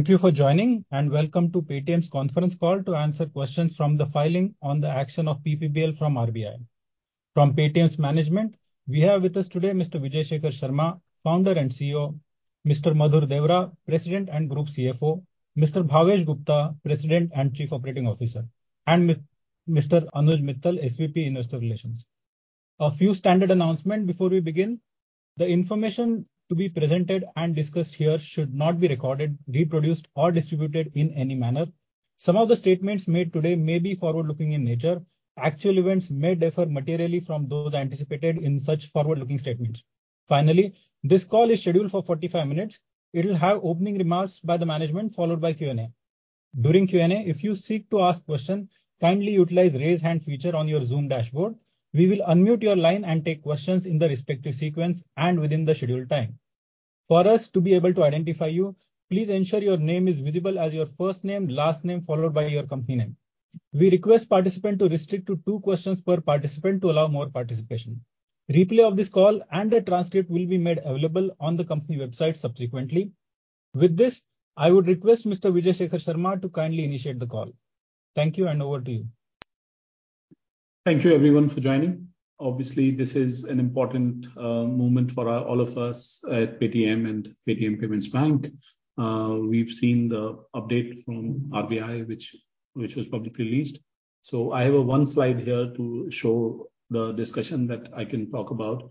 Thank you for joining, and welcome to Paytm's conference call to answer questions from the filing on the action of PPBL from RBI. From Paytm's management, we have with us today Mr. Vijay Shekhar Sharma, founder and CEO; Mr. Madhur Deora, President and Group CFO; Mr. Bhavesh Gupta, President and Chief Operating Officer; and Mr. Anuj Mittal, SVP, Investor Relations. A few standard announcements before we begin. The information to be presented and discussed here should not be recorded, reproduced, or distributed in any manner. Some of the statements made today may be forward-looking in nature. Actual events may differ materially from those anticipated in such forward-looking statements. Finally, this call is scheduled for 45 minutes. It'll have opening remarks by the management, followed by Q&A. During Q&A, if you seek to ask a question, kindly utilize Raise Hand feature on your Zoom dashboard. We will unmute your line and take questions in the respective sequence and within the scheduled time. For us to be able to identify you, please ensure your name is visible as your first name, last name, followed by your company name. We request participant to restrict to two questions per participant to allow more participation. Replay of this call and a transcript will be made available on the company website subsequently. With this, I would request Mr. Vijay Shekhar Sharma to kindly initiate the call. Thank you, and over to you. Thank you, everyone, for joining. Obviously, this is an important moment for all of us at Paytm and Paytm Payments Bank. We've seen the update from RBI, which was publicly released. So I have a one slide here to show the discussion that I can talk about.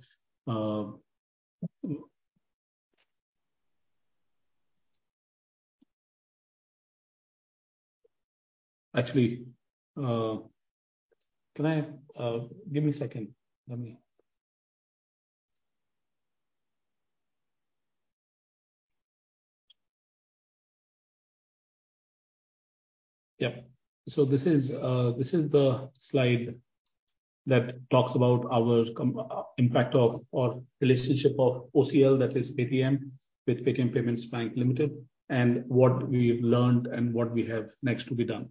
Actually, give me a second. Yeah. So this is the slide that talks about our compliance impact or relationship of OCL, that is Paytm, with Paytm Payments Bank Limited, and what we've learned and what we have next to be done.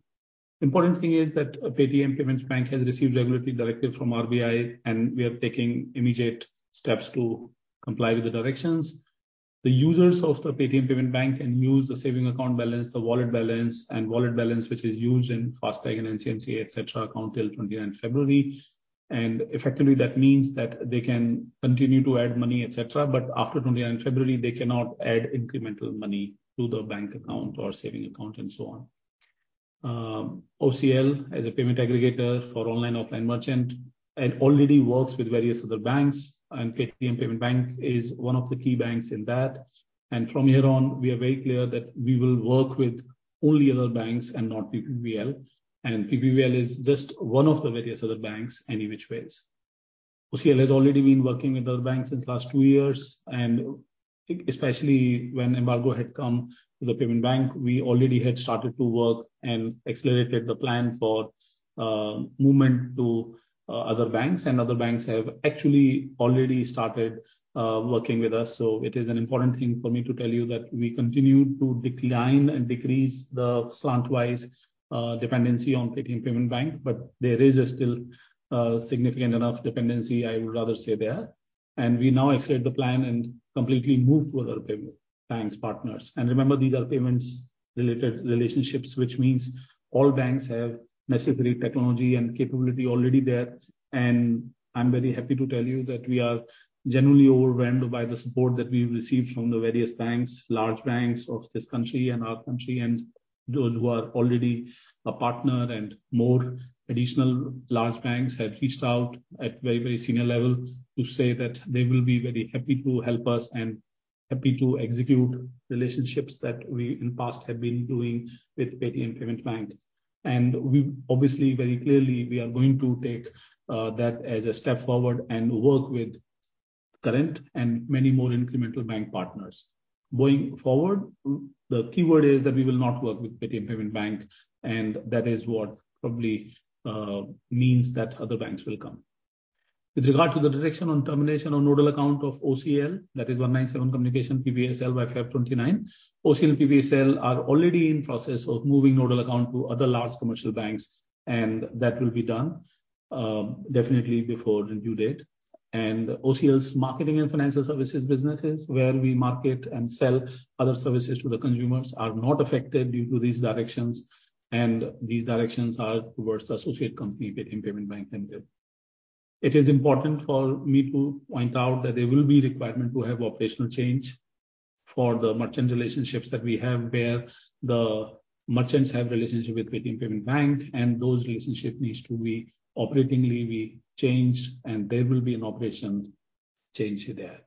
Important thing is that Paytm Payments Bank has received regulatory directive from RBI, and we are taking immediate steps to comply with the directions. The users of the Paytm Payments Bank can use the savings account balance, the wallet balance, and wallet balance, which is used in FASTag and NCMC, et cetera, account till February 29, and effectively, that means that they can continue to add money, et cetera, but after February 29, they cannot add incremental money to the bank account or savings account, and so on. OCL, as a payment aggregator for online/offline merchant, it already works with various other banks, and Paytm Payments Bank is one of the key banks in that. From here on, we are very clear that we will work with only other banks and not PPBL, and PPBL is just one of the various other banks any which ways. OCL has already been working with other banks since last two years, and especially when embargo had come to the payment bank, we already had started to work and accelerated the plan for movement to other banks, and other banks have actually already started working with us. So it is an important thing for me to tell you that we continue to decline and decrease the slant-wise dependency on Paytm Payments Bank, but there is still significant enough dependency, I would rather say there. And we now accelerate the plan and completely move to other payment bank partners. And remember, these are payments-related relationships, which means all banks have necessary technology and capability already there. And I'm very happy to tell you that we are genuinely overwhelmed by the support that we've received from the various banks, large banks of this country and our country, and those who are already a partner, and more additional large banks have reached out at very, very senior level to say that they will be very happy to help us and happy to execute relationships that we in past have been doing with Paytm Payments Bank. And we obviously, very clearly, we are going to take that as a step forward and work with current and many more incremental bank partners. Going forward, the keyword is that we will not work with Paytm Payments Bank, and that is what probably means that other banks will come. With regard to the direction on termination or nodal account of OCL, that is One97 Communications PPBL by Feb 29, OCL and PPBL are already in process of moving nodal account to other large commercial banks, and that will be done, definitely before the due date. OCL's marketing and financial services businesses, where we market and sell other services to the consumers, are not affected due to these directions, and these directions are towards the associate company, Paytm Payments Bank. It is important for me to point out that there will be requirement to have operational change for the merchant relationships that we have, where the merchants have relationship with Paytm Payments Bank, and those relationships need to be operationally changed, and there will be an operational change there.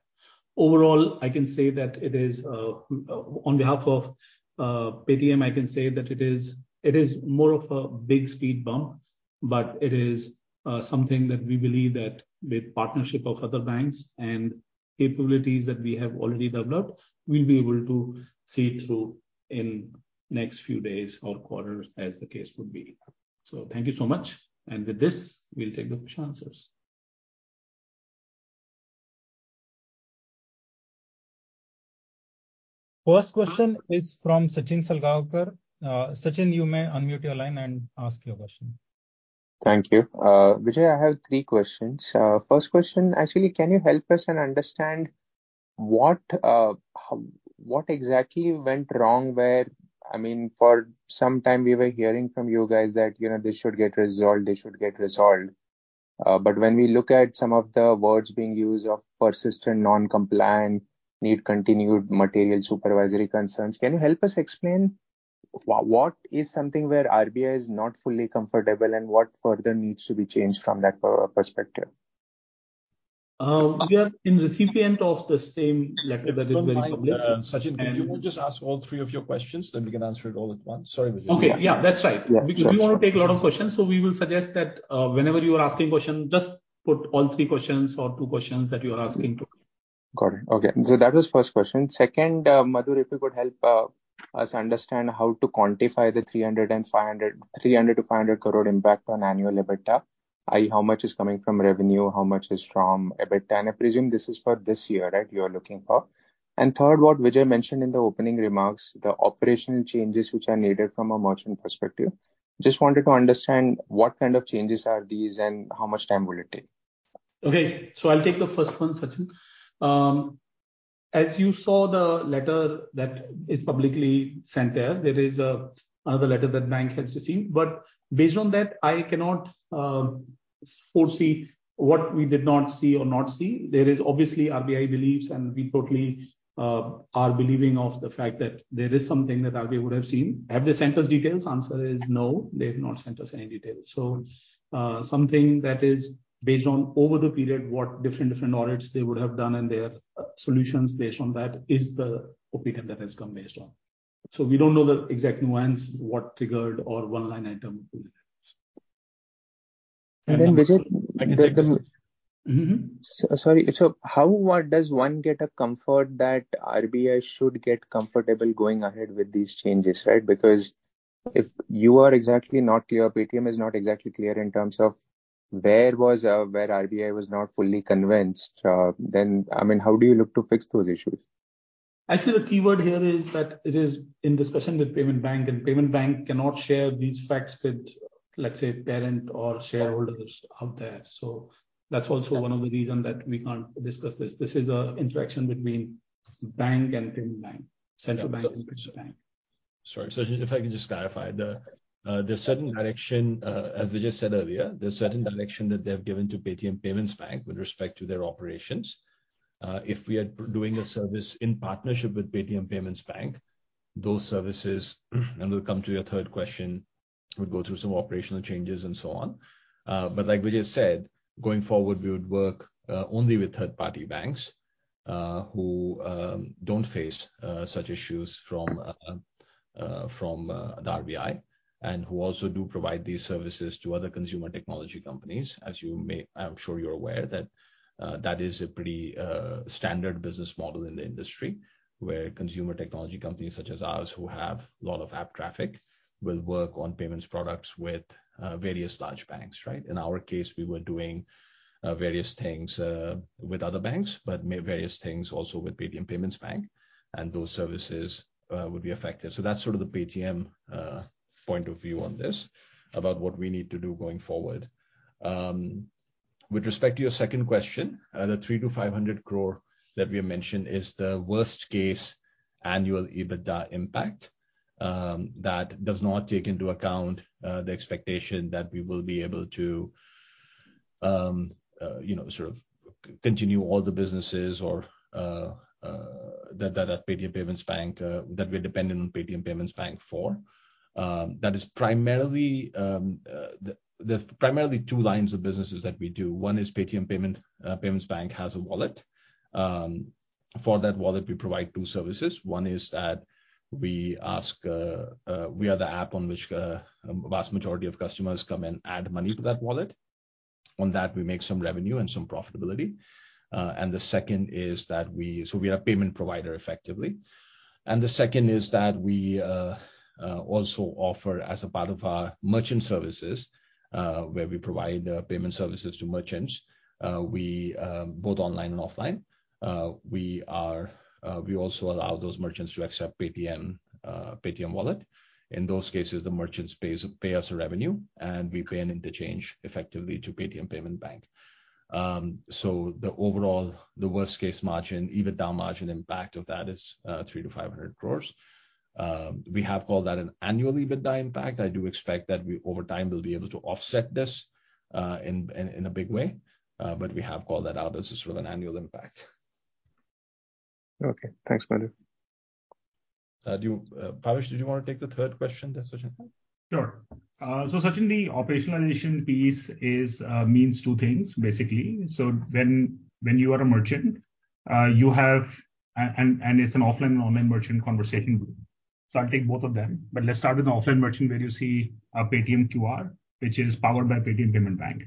Overall, I can say that it is, on behalf of Paytm, I can say that it is, it is more of a big speed bump, but it is, something that we believe that with partnership of other banks and capabilities that we have already developed, we'll be able to see through in next few days or quarters as the case would be. So thank you so much, and with this, we'll take the question answers. First question is from Sachin Salgaonkar. Sachin, you may unmute your line and ask your question.... Thank you. Vijay, I have three questions. First question, actually, can you help us understand what exactly went wrong where, I mean, for some time we were hearing from you guys that, you know, this should get resolved, this should get resolved. But when we look at some of the words being used of persistent, non-compliant, need continued material supervisory concerns, can you help us explain what is something where RBI is not fully comfortable, and what further needs to be changed from that perspective? We are in receipt of the same letter that is very public. If you would just ask all three of your questions, then we can answer it all at once. Sorry, Vijay. Okay. Yeah, that's right. Yeah. We do want to take a lot of questions, so we will suggest that, whenever you are asking questions, just put all three questions or two questions that you are asking. Got it. Okay, so that was first question. Second, Madhur, if you could help us understand how to quantify the 300-500 crore impact on annual EBITDA. I.e., how much is coming from revenue, how much is from EBITDA? And I presume this is for this year, right, you are looking for. And third, what Vijay mentioned in the opening remarks, the operational changes which are needed from a merchant perspective. Just wanted to understand what kind of changes are these, and how much time will it take? Okay, so I'll take the first one, Sachin. As you saw, the letter that is publicly sent there, there is another letter that bank has received. But based on that, I cannot foresee what we did not see or not see. There is obviously RBI beliefs, and we totally are believing of the fact that there is something that RBI would have seen. Have they sent us details? Answer is no, they've not sent us any details. So, something that is based on over the period, what different, different audits they would have done and their solutions based on that is the opinion that has come based on. So we don't know the exact nuance, what triggered or one line item. And then, Vijay. Mm-hmm. So, sorry. So how, what does one get a comfort that RBI should get comfortable going ahead with these changes, right? Because if you are exactly not clear, Paytm is not exactly clear in terms of where was, where RBI was not fully convinced, then, I mean, how do you look to fix those issues? Actually, the key word here is that it is in discussion with Payment Bank, and Payment Bank cannot share these facts with, let's say, parent or shareholders out there. So that's also one of the reason that we can't discuss this. This is a interaction between bank and payment bank, central bank and payment bank. Sorry, Sachin, if I can just clarify. The, the certain direction, as Vijay said earlier, the certain direction that they've given to Paytm Payments Bank with respect to their operations. If we are doing a service in partnership with Paytm Payments Bank, those services, and we'll come to your third question, would go through some operational changes and so on. But like Vijay said, going forward, we would work only with third-party banks, who don't face such issues from the RBI, and who also do provide these services to other consumer technology companies. As you may... I'm sure you're aware that, that is a pretty, standard business model in the industry, where consumer technology companies such as ours, who have a lot of app traffic, will work on payments products with, various large banks, right? In our case, we were doing, various things, with other banks, but various things also with Paytm Payments Bank, and those services, would be affected. So that's sort of the Paytm, point of view on this, about what we need to do going forward. With respect to your second question, the 300 crore-500 crore that we mentioned is the worst case annual EBITDA impact. That does not take into account the expectation that we will be able to, you know, sort of continue all the businesses or that that are Paytm Payments Bank that we're dependent on Paytm Payments Bank for. That is primarily. There are primarily two lines of businesses that we do. One is Paytm Payments Bank has a wallet. For that wallet, we provide two services. One is that we are the app on which vast majority of customers come and add money to that wallet. On that, we make some revenue and some profitability. And the second is that we—so we are a payment provider, effectively. The second is that we also offer, as a part of our merchant services, where we provide payment services to merchants, we both online and offline, we also allow those merchants to accept Paytm Wallet. In those cases, the merchants pay us a revenue, and we pay an interchange effectively to Paytm Payments Bank. So the overall, the worst-case margin, EBITDA margin impact of that is 300 crore-500 crore. We have called that an annual EBITDA impact. I do expect that we, over time, will be able to offset this, in a big way, but we have called that out as sort of an annual impact. Okay. Thanks, Madhur. Do you, Bhavesh, did you want to take the third question that Sachin asked? Sure. So, Sachin, the operationalization piece is, means two things, basically. So when you are a merchant, you have, and it's an offline and online merchant conversation, so I'll take both of them. But let's start with the offline merchant, where you see a Paytm QR, which is powered by Paytm Payments Bank,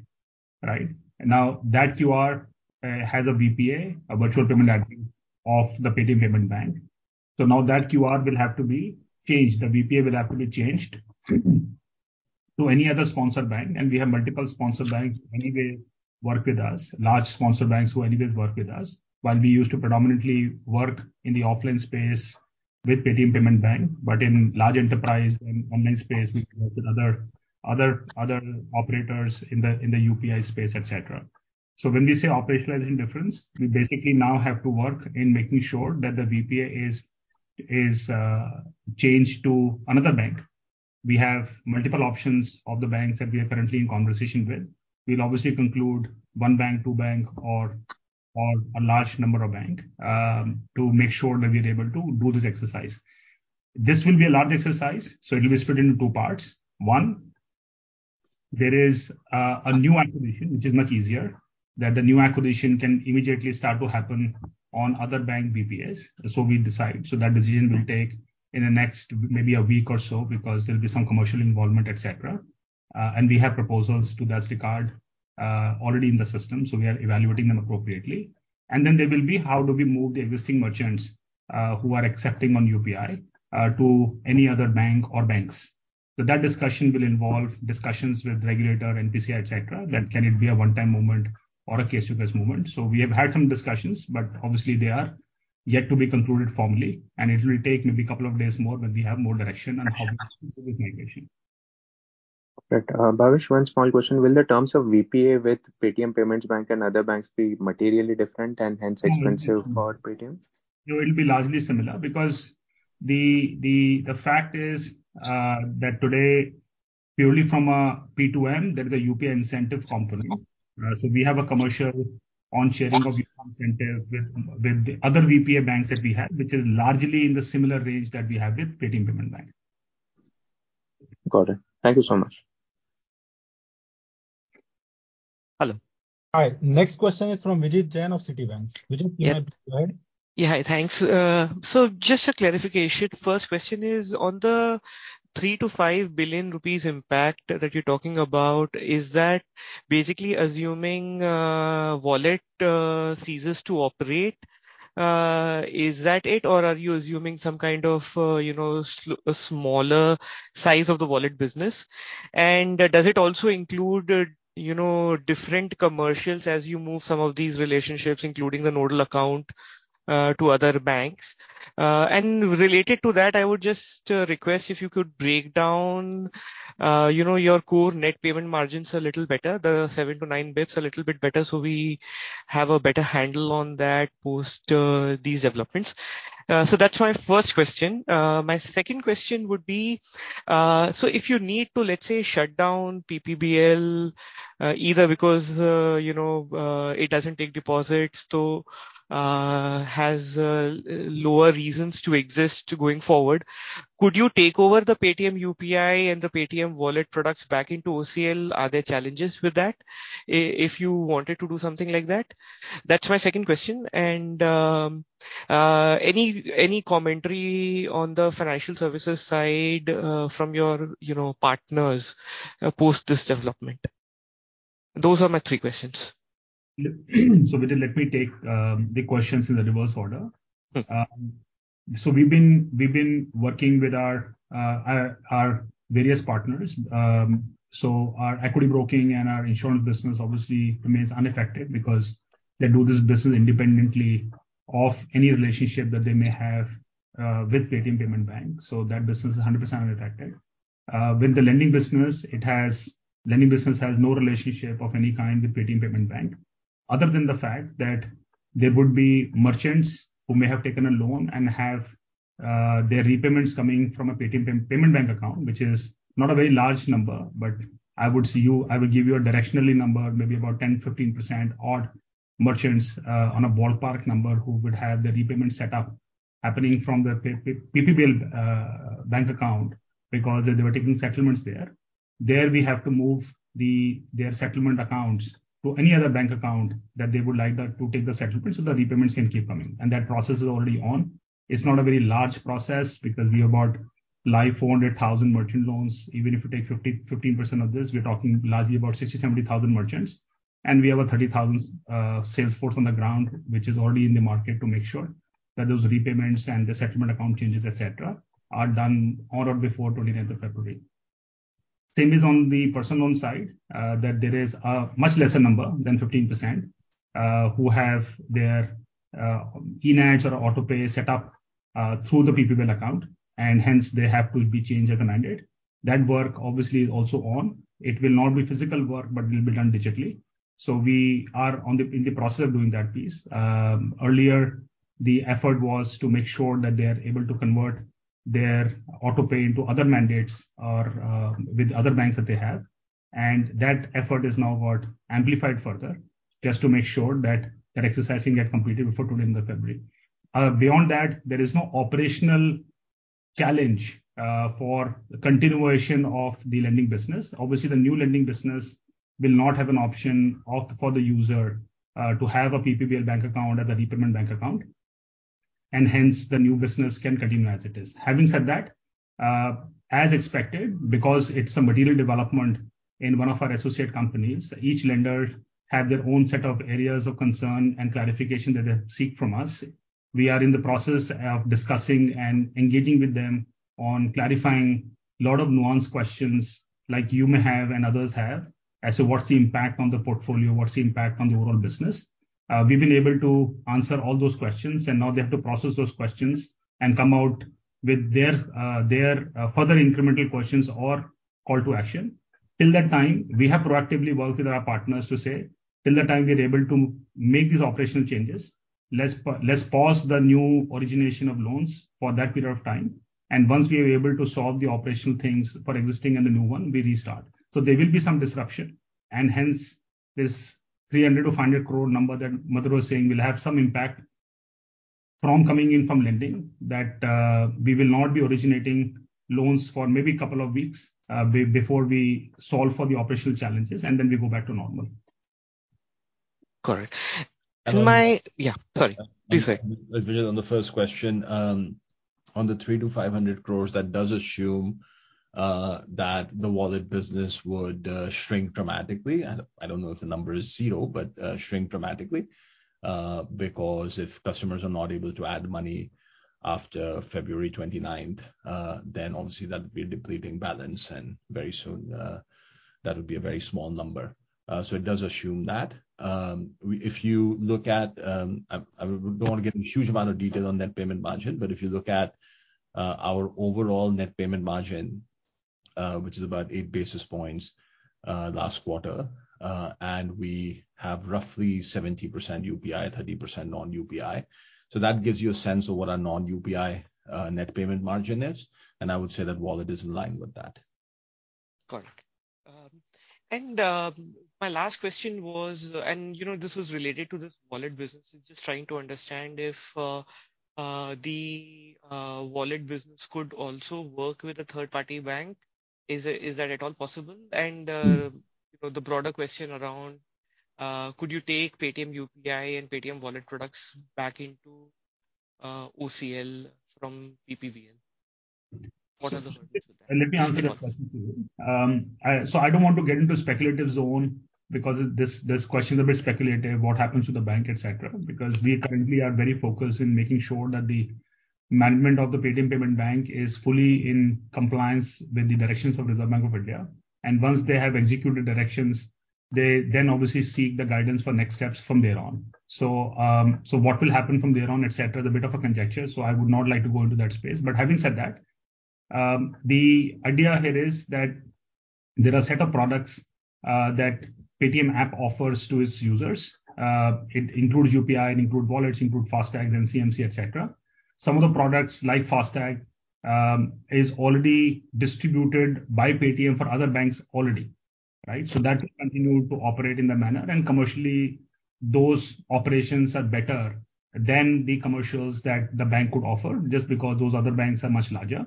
right? Now, that QR has a VPA, a virtual payment address, of the Paytm Payments Bank, so now that QR will have to be changed. The VPA will have to be changed to any other sponsor bank, and we have multiple sponsor banks anyway, work with us, large sponsor banks who anyways work with us. While we used to predominantly work in the offline space- ... with Paytm Payments Bank, but in large enterprise and online space, we work with other, other, other operators in the, in the UPI space, et cetera. So when we say operational indifference, we basically now have to work in making sure that the VPA is, is, changed to another bank. We have multiple options of the banks that we are currently in conversation with. We'll obviously conclude one bank, two bank, or, or a large number of bank, to make sure that we are able to do this exercise. This will be a large exercise, so it will be split into two parts. One, there is, a new acquisition, which is much easier, that the new acquisition can immediately start to happen on other bank VPAs. So we decide. So that decision will take in the next maybe a week or so, because there'll be some commercial involvement, et cetera. We have proposals to that regard, already in the system, so we are evaluating them appropriately. Then there will be, how do we move the existing merchants, who are accepting on UPI, to any other bank or banks? That discussion will involve discussions with regulator, NPCI, et cetera, that can it be a one-time movement or a case-to-case movement. We have had some discussions, but obviously they are yet to be concluded formally, and it will take maybe a couple of days more when we have more direction on how specific migration. Right. Bhavesh, one small question: Will the terms of VPA with Paytm Payments Bank and other banks be materially different and hence expensive for Paytm? No, it'll be largely similar because the fact is, that today, purely from a P2M, there is a UPI incentive component. Mm-hmm. So we have a commercial on sharing of incentive with the other VPA banks that we have, which is largely in the similar range that we have with Paytm Payments Bank. Got it. Thank you so much. Hello. Hi. Next question is from Vijit Jain of Citibank. Vijit, you may go ahead. Yeah. Hi, thanks. So just a clarification. First question is on the 3 billion-5 billion rupees impact that you're talking about, is that basically assuming wallet ceases to operate, is that it? Or are you assuming some kind of, you know, a smaller size of the wallet business? And does it also include, you know, different commercials as you move some of these relationships, including the nodal account, to other banks? And related to that, I would just request if you could break down, you know, your core net payment margins a little better, the 7-9 basis points a little bit better, so we have a better handle on that post these developments. So that's my first question. My second question would be, so if you need to, let's say, shut down PPBL, either because, you know, it doesn't take deposits to, has, lower reasons to exist going forward, could you take over the Paytm UPI and the Paytm Wallet products back into OCL? Are there challenges with that, if you wanted to do something like that? That's my second question. And, any commentary on the financial services side, from your, you know, partners, post this development? Those are my three questions. So, Vijit, let me take the questions in the reverse order. Okay. So we've been working with our various partners. So our equity broking and our insurance business obviously remains unaffected because they do this business independently of any relationship that they may have with Paytm Payments Bank, so that business is 100% unaffected. With the lending business, lending business has no relationship of any kind with Paytm Payments Bank, other than the fact that there would be merchants who may have taken a loan and have their repayments coming from a Paytm Payments Bank account, which is not a very large number. But I will give you a directional number, maybe about 10%-15% odd merchants, on a ballpark number, who would have the repayment setup happening from their PPBL bank account because they were taking settlements there. There we have to move their settlement accounts to any other bank account that they would like that to take the settlement, so the repayments can keep coming. That process is already on. It's not a very large process because we have about like 400,000 merchant loans. Even if you take say 15% of this, we're talking largely about 60,000-70,000 merchants. We have a 30,000 sales force on the ground, which is already in the market to make sure that those repayments and the settlement account changes, et cetera, are done on or before February 29. Same is on the personal loan side, that there is a much lesser number than 15% who have their ENACH or autopay set up through the PPBL account, and hence they have to be changed as mandated. That work obviously is also on. It will not be physical work, but will be done digitally. So we are on the, in the process of doing that piece. Earlier, the effort was to make sure that they are able to convert their autopay into other mandates or, with other banks that they have, and that effort is now got amplified further just to make sure that that exercise can get completed before twentieth of February. Beyond that, there is no operational challenge, for continuation of the lending business. Obviously, the new lending business will not have an option of, for the user, to have a PPBL bank account or the repayment bank account, and hence the new business can continue as it is. Having said that, as expected, because it's a material development in one of our associate companies, each lender have their own set of areas of concern and clarification that they seek from us. We are in the process of discussing and engaging with them on clarifying a lot of nuanced questions like you may have and others have as to what's the impact on the portfolio, what's the impact on the overall business? We've been able to answer all those questions, and now they have to process those questions and come out with their, their, further incremental questions or call to action. Till that time, we have proactively worked with our partners to say, "Till the time we are able to make these operational changes, let's pause the new origination of loans for that period of time, and once we are able to solve the operational things for existing and the new one, we restart." So there will be some disruption, and hence this 300 crore-500 crore number that Madhur was saying will have some impact from coming in from lending that we will not be originating loans for maybe a couple of weeks before we solve for the operational challenges, and then we go back to normal. Correct. Yeah, sorry. Please say. Vijay, on the first question, on the 300-500 crore, that does assume that the wallet business would shrink dramatically. I don't, I don't know if the number is zero, but shrink dramatically. Because if customers are not able to add money after February 29th, then obviously that would be a depleting balance, and very soon that would be a very small number. So it does assume that. We, if you look at... I, I don't want to get into a huge amount of detail on net payment margin, but if you look at our overall net payment margin, which is about 8 basis points last quarter, and we have roughly 70% UPI, 30% non-UPI. So that gives you a sense of what our non-UPI net payment margin is, and I would say that wallet is in line with that. Got it. And my last question was, you know, this was related to this wallet business. I'm just trying to understand if the wallet business could also work with a third-party bank. Is that at all possible? Mm-hmm. You know, the broader question around could you take Paytm UPI and Paytm Wallet products back into OCL from PPBL? What are the hurdles with that? Let me answer that question for you. So I don't want to get into speculative zone because this question is a bit speculative, what happens to the bank, et cetera. Because we currently are very focused in making sure that the management of the Paytm Payments Bank is fully in compliance with the directions of Reserve Bank of India. And once they have executed directions, they then obviously seek the guidance for next steps from there on. So, so what will happen from there on, et cetera, is a bit of a conjecture, so I would not like to go into that space. But having said that, the idea here is that there are a set of products that Paytm app offers to its users. It includes UPI, it include wallets, it include FASTags and NCMC, et cetera. Some of the products, like FASTag, is already distributed by Paytm for other banks already, right? So that will continue to operate in that manner. And commercially, those operations are better than the commercials that the bank could offer, just because those other banks are much larger.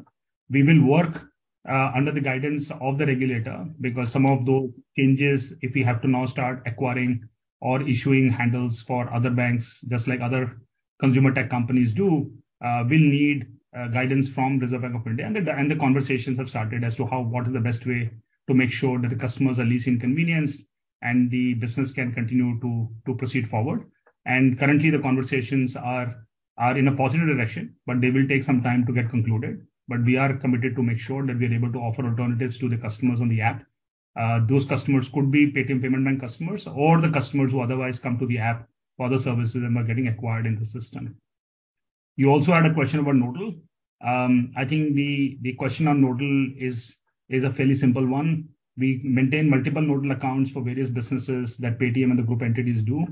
We will work under the guidance of the regulator, because some of those changes, if we have to now start acquiring or issuing handles for other banks, just like other consumer tech companies do, we'll need guidance from Reserve Bank of India. And the conversations have started as to how, what is the best way to make sure that the customers are least inconvenienced and the business can continue to proceed forward. And currently, the conversations are in a positive direction, but they will take some time to get concluded. But we are committed to make sure that we are able to offer alternatives to the customers on the app. Those customers could be Paytm Payments Bank customers or the customers who otherwise come to the app for other services and are getting acquired in the system. You also had a question about nodal. I think the question on nodal is a fairly simple one. We maintain multiple nodal accounts for various businesses that Paytm and the group entities do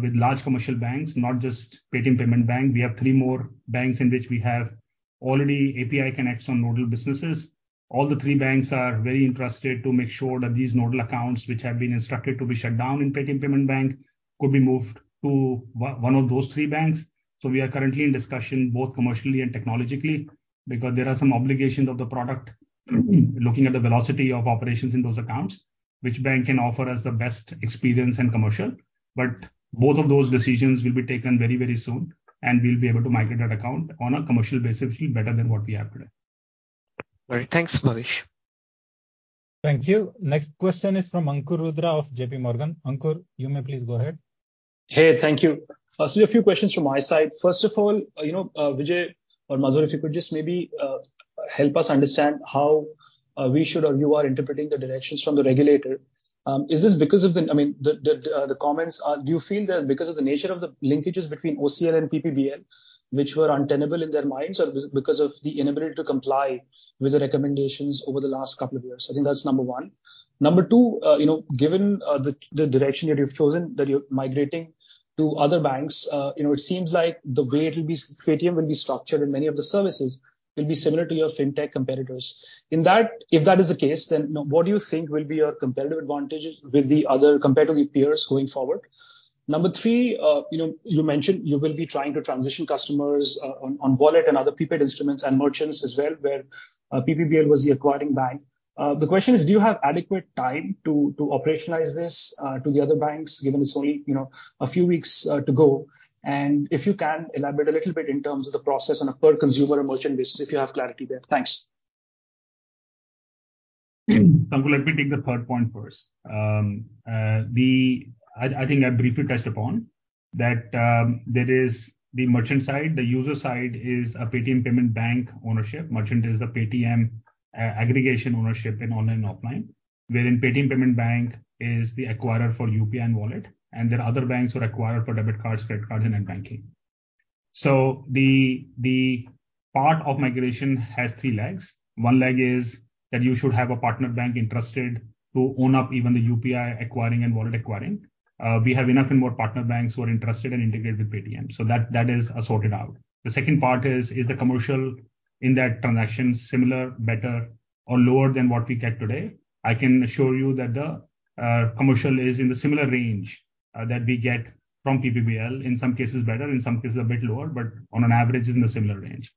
with large commercial banks, not just Paytm Payments Bank. We have three more banks in which we have already API connects on nodal businesses. All the three banks are very interested to make sure that these nodal accounts, which have been instructed to be shut down in Paytm Payments Bank, could be moved to one of those three banks. We are currently in discussion, both commercially and technologically, because there are some obligations of the product, looking at the velocity of operations in those accounts, which bank can offer us the best experience and commercial. But both of those decisions will be taken very, very soon, and we'll be able to migrate that account on a commercial basis, if better than what we have today. All right. Thanks, Bhavesh. Thank you. Next question is from Ankur Rudra of JPMorgan. Ankur, you may please go ahead. Hey, thank you. So a few questions from my side. First of all, you know, Vijay or Madhur, if you could just maybe help us understand how we should or you are interpreting the directions from the regulator. Is this because of the, I mean, the comments are... Do you feel that because of the nature of the linkages between OCL and PPBL, which were untenable in their minds or because of the inability to comply with the recommendations over the last couple of years? I think that's number one. Number two, you know, given the direction that you've chosen, that you're migrating to other banks, you know, it seems like the way it'll be, Paytm will be structured and many of the services will be similar to your fintech competitors. In that, if that is the case, then, you know, what do you think will be your competitive advantages with the other competitive peers going forward? Number three, you know, you mentioned you will be trying to transition customers on wallet and other prepaid instruments and merchants as well, where PPBL was the acquiring bank. The question is: Do you have adequate time to operationalize this to the other banks, given it's only, you know, a few weeks to go? And if you can, elaborate a little bit in terms of the process on a per consumer and merchant basis, if you have clarity there. Thanks. Ankur, let me take the third point first. The... I think I briefly touched upon that there is the merchant side. The user side is a Paytm Payments Bank ownership. Merchant is the Paytm aggregation ownership in online and offline, wherein Paytm Payments Bank is the acquirer for UPI and wallet, and then other banks are acquirer for debit cards, credit cards, and net banking. So the part of migration has three legs. One leg is that you should have a partner bank interested to own up even the UPI acquiring and wallet acquiring. We have enough and more partner banks who are interested and integrated with Paytm, so that that is sorted out. The second part is the commercial in that transaction similar, better, or lower than what we get today? I can assure you that the commercial is in the similar range that we get from PPBL. In some cases better, in some cases a bit lower, but on an average it's in a similar range.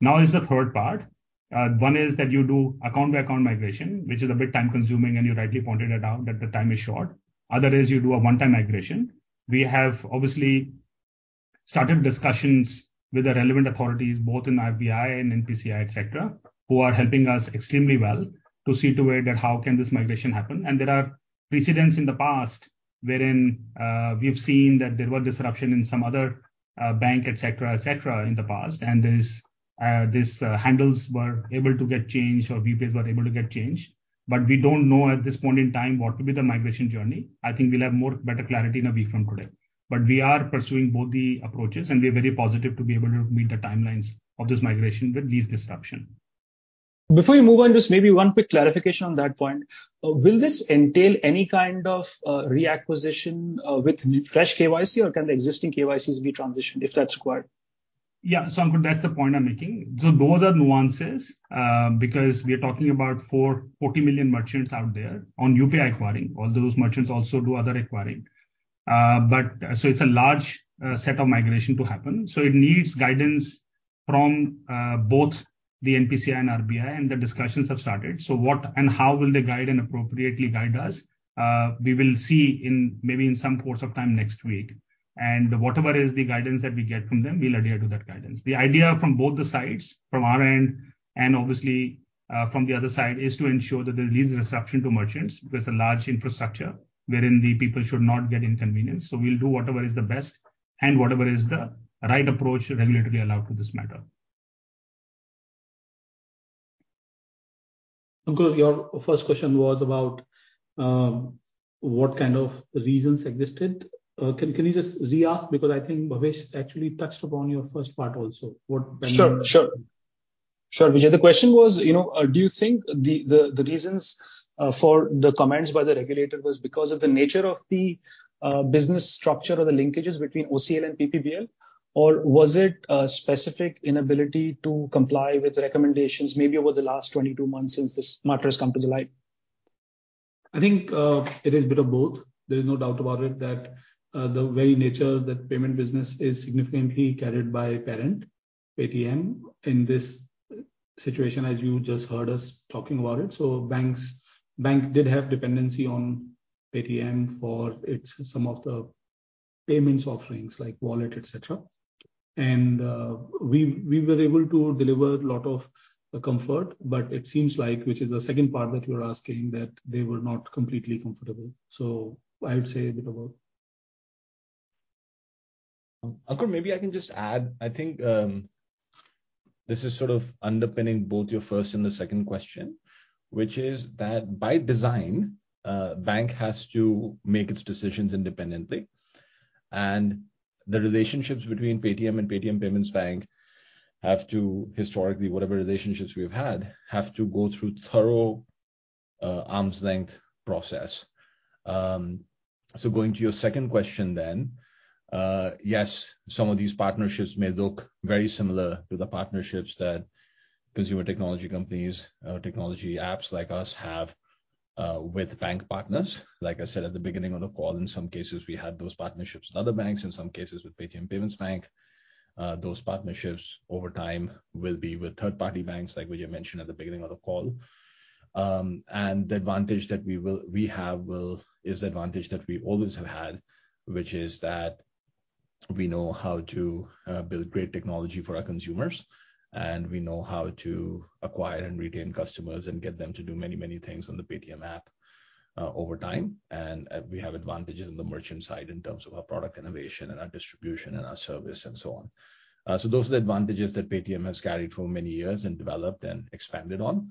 Now is the third part. One is that you do account-by-account migration, which is a bit time-consuming, and you rightly pointed it out that the time is short. Other is you do a one-time migration. We have obviously started discussions with the relevant authorities, both in RBI and NPCI, et cetera, who are helping us extremely well to see to it that how can this migration happen. And there are precedents in the past wherein we've seen that there were disruption in some other bank, et cetera, et cetera, in the past. These handles were able to get changed or UPIs were able to get changed. But we don't know at this point in time what will be the migration journey. I think we'll have more, better clarity in a week from today. But we are pursuing both the approaches, and we are very positive to be able to meet the timelines of this migration with least disruption. Before you move on, just maybe one quick clarification on that point. Will this entail any kind of reacquisition with fresh KYC, or can the existing KYCs be transitioned if that's required? Yeah, Ankur, that's the point I'm making. So those are nuances, because we are talking about 440 million merchants out there on UPI acquiring, although those merchants also do other acquiring. But, so it's a large set of migration to happen, so it needs guidance from both the NPCI and RBI, and the discussions have started. So what and how will they guide and appropriately guide us? We will see in maybe in some course of time next week. And whatever is the guidance that we get from them, we'll adhere to that guidance. The idea from both the sides, from our end and obviously from the other side, is to ensure that there is least disruption to merchants. There's a large infrastructure wherein the people should not get inconvenienced, so we'll do whatever is the best and whatever is the right approach regulatorily allowed to this matter. Ankur, your first question was about what kind of reasons existed. Can you just re-ask? Because I think Bhavesh actually touched upon your first part also. What Sure, sure. Sure, Vijay. The question was, you know, do you think the reasons for the comments by the regulator was because of the business structure or the linkages between OCL and PPBL? Or was it a specific inability to comply with the recommendations, maybe over the last 22 months since this matter has come to light? I think, it is a bit of both. There is no doubt about it, that, the very nature that payment business is significantly carried by parent, Paytm, in this situation, as you just heard us talking about it. So banks, bank did have dependency on Paytm for its some of the payments offerings, like wallet, et cetera. And, we, we were able to deliver a lot of comfort, but it seems like, which is the second part that you're asking, that they were not completely comfortable. So I would say a bit of both. Ankur, maybe I can just add, I think, this is sort of underpinning both your first and the second question, which is that by design, a bank has to make its decisions independently. And the relationships between Paytm and Paytm Payments Bank have to historically, whatever relationships we've had, have to go through thorough, arm's length process. So going to your second question then, yes, some of these partnerships may look very similar to the partnerships that consumer technology companies, technology apps like us have, with bank partners. Like I said at the beginning of the call, in some cases, we had those partnerships with other banks, in some cases with Paytm Payments Bank. Those partnerships over time will be with third-party banks, like Vijay mentioned at the beginning of the call. And the advantage that we will we have will... is the advantage that we always have had, which is that we know how to build great technology for our consumers, and we know how to acquire and retain customers and get them to do many, many things on the Paytm app, over time. We have advantages in the merchant side in terms of our product innovation and our distribution and our service and so on. Those are the advantages that Paytm has carried for many years and developed and expanded on.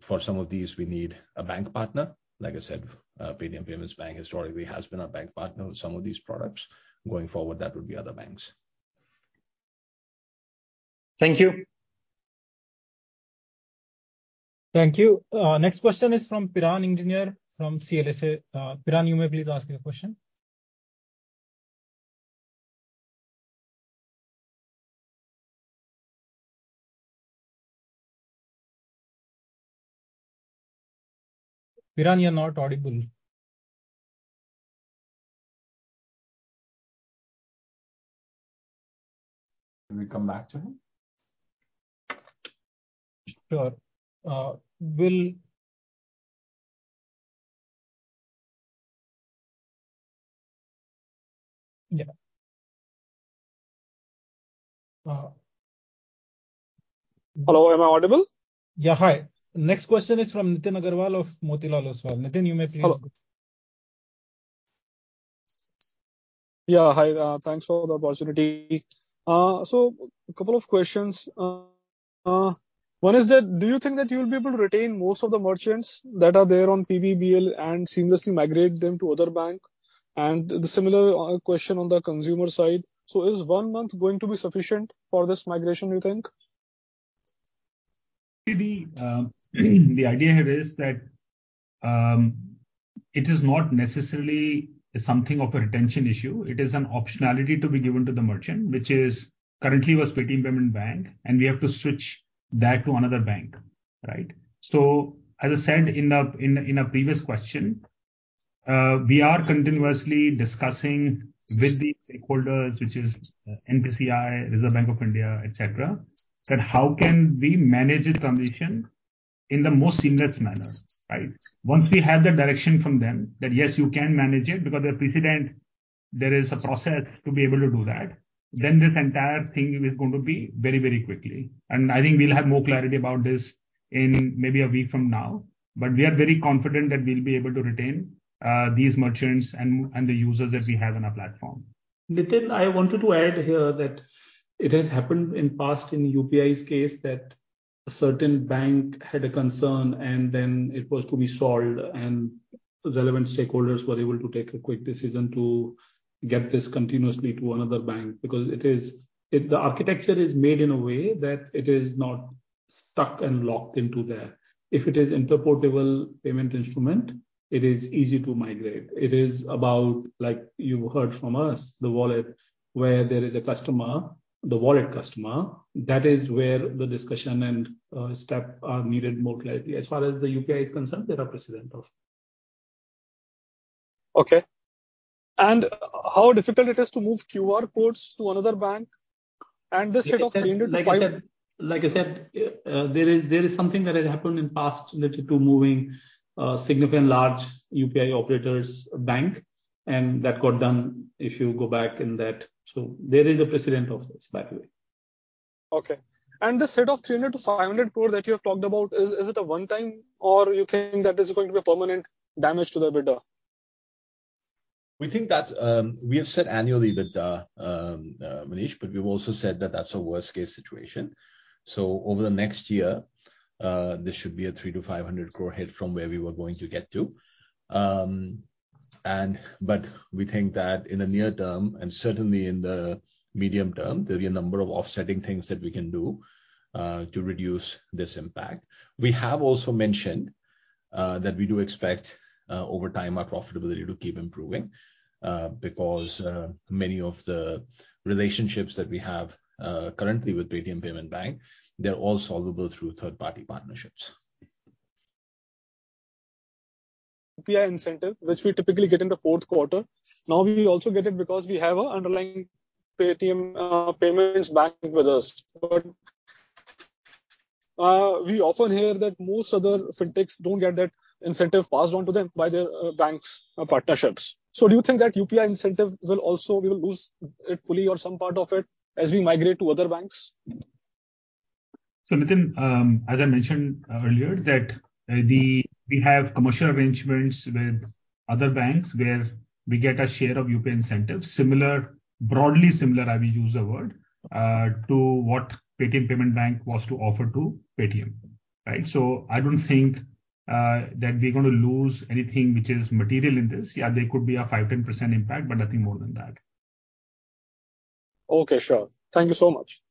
For some of these, we need a bank partner. Like I said, Paytm Payments Bank historically has been our bank partner on some of these products. Going forward, that would be other banks. Thank you. Thank you. Next question is from Biren Engineer from CLSA. Biren, you may please ask your question. Biren, you're not audible. Can we come back to him? Sure. Yeah. Hello, am I audible? Yeah. Hi. Next question is from Nitin Aggarwal of Motilal Oswal. Nitin, you may please- Hello?... Yeah. Hi, thanks for the opportunity. So a couple of questions. One is that: do you think that you'll be able to retain most of the merchants that are there on PBBL and seamlessly migrate them to other bank? And the similar, question on the consumer side: so is one month going to be sufficient for this migration, you think? Maybe, the idea here is that, it is not necessarily something of a retention issue. It is an optionality to be given to the merchant, which is currently was Paytm Payments Bank, and we have to switch that to another bank, right? So as I said in a previous question, we are continuously discussing with the stakeholders, which is NPCI, Reserve Bank of India, et cetera, that how can we manage this transition in the most seamless manner, right? Once we have the direction from them that, "Yes, you can manage it," because there are precedent, there is a process to be able to do that, then this entire thing is going to be very, very quickly. And I think we'll have more clarity about this in maybe a week from now. But we are very confident that we'll be able to retain these merchants and the users that we have on our platform. Nitin, I wanted to add here that it has happened in past, in UPI's case, that a certain bank had a concern and then it was to be solved, and relevant stakeholders were able to take a quick decision to get this continuously to another bank. Because it is... If the architecture is made in a way that it is not stuck and locked into there. If it is interoperable payment instrument, it is easy to migrate. It is about, like you heard from us, the wallet, where there is a customer, the wallet customer, that is where the discussion and, step are needed more clearly. As far as the UPI is concerned, there are precedent of. Okay. And how difficult it is to move QR codes to another bank? And this hit of 300-5- Like I said, like I said, there is, there is something that has happened in past related to moving significant large UPI operators bank, and that got done, if you go back in that. So there is a precedent of this, by the way. Okay. This hit of 300 crore-500 crore that you have talked about, is, is it a one time, or you think that this is going to be a permanent damage to the EBITDA? We think that's. We have said annually with Manish, but we've also said that that's a worst-case situation. So over the next year, this should be a 300 crore-500 crore hit from where we were going to get to. But we think that in the near term, and certainly in the medium term, there'll be a number of offsetting things that we can do to reduce this impact. We have also mentioned that we do expect over time, our profitability to keep improving because many of the relationships that we have currently with Paytm Payments Bank, they're all solvable through third-party partnerships. UPI incentive, which we typically get in the Q4. Now, we will also get it because we have an underlying Paytm Payments Bank with us. But, we often hear that most other fintechs don't get that incentive passed on to them by their banks, partnerships. So do you think that UPI incentive will also, we will lose it fully or some part of it as we migrate to other banks? So, Nitin, as I mentioned earlier, that, we have commercial arrangements with other banks, where we get a share of UPI incentive. Similar, broadly similar, I will use the word, to what Paytm Payments Bank was to offer to Paytm, right? So I don't think, that we're gonna lose anything which is material in this. Yeah, there could be a 5%-10% impact, but nothing more than that.eOkay, sure. Thank you so much.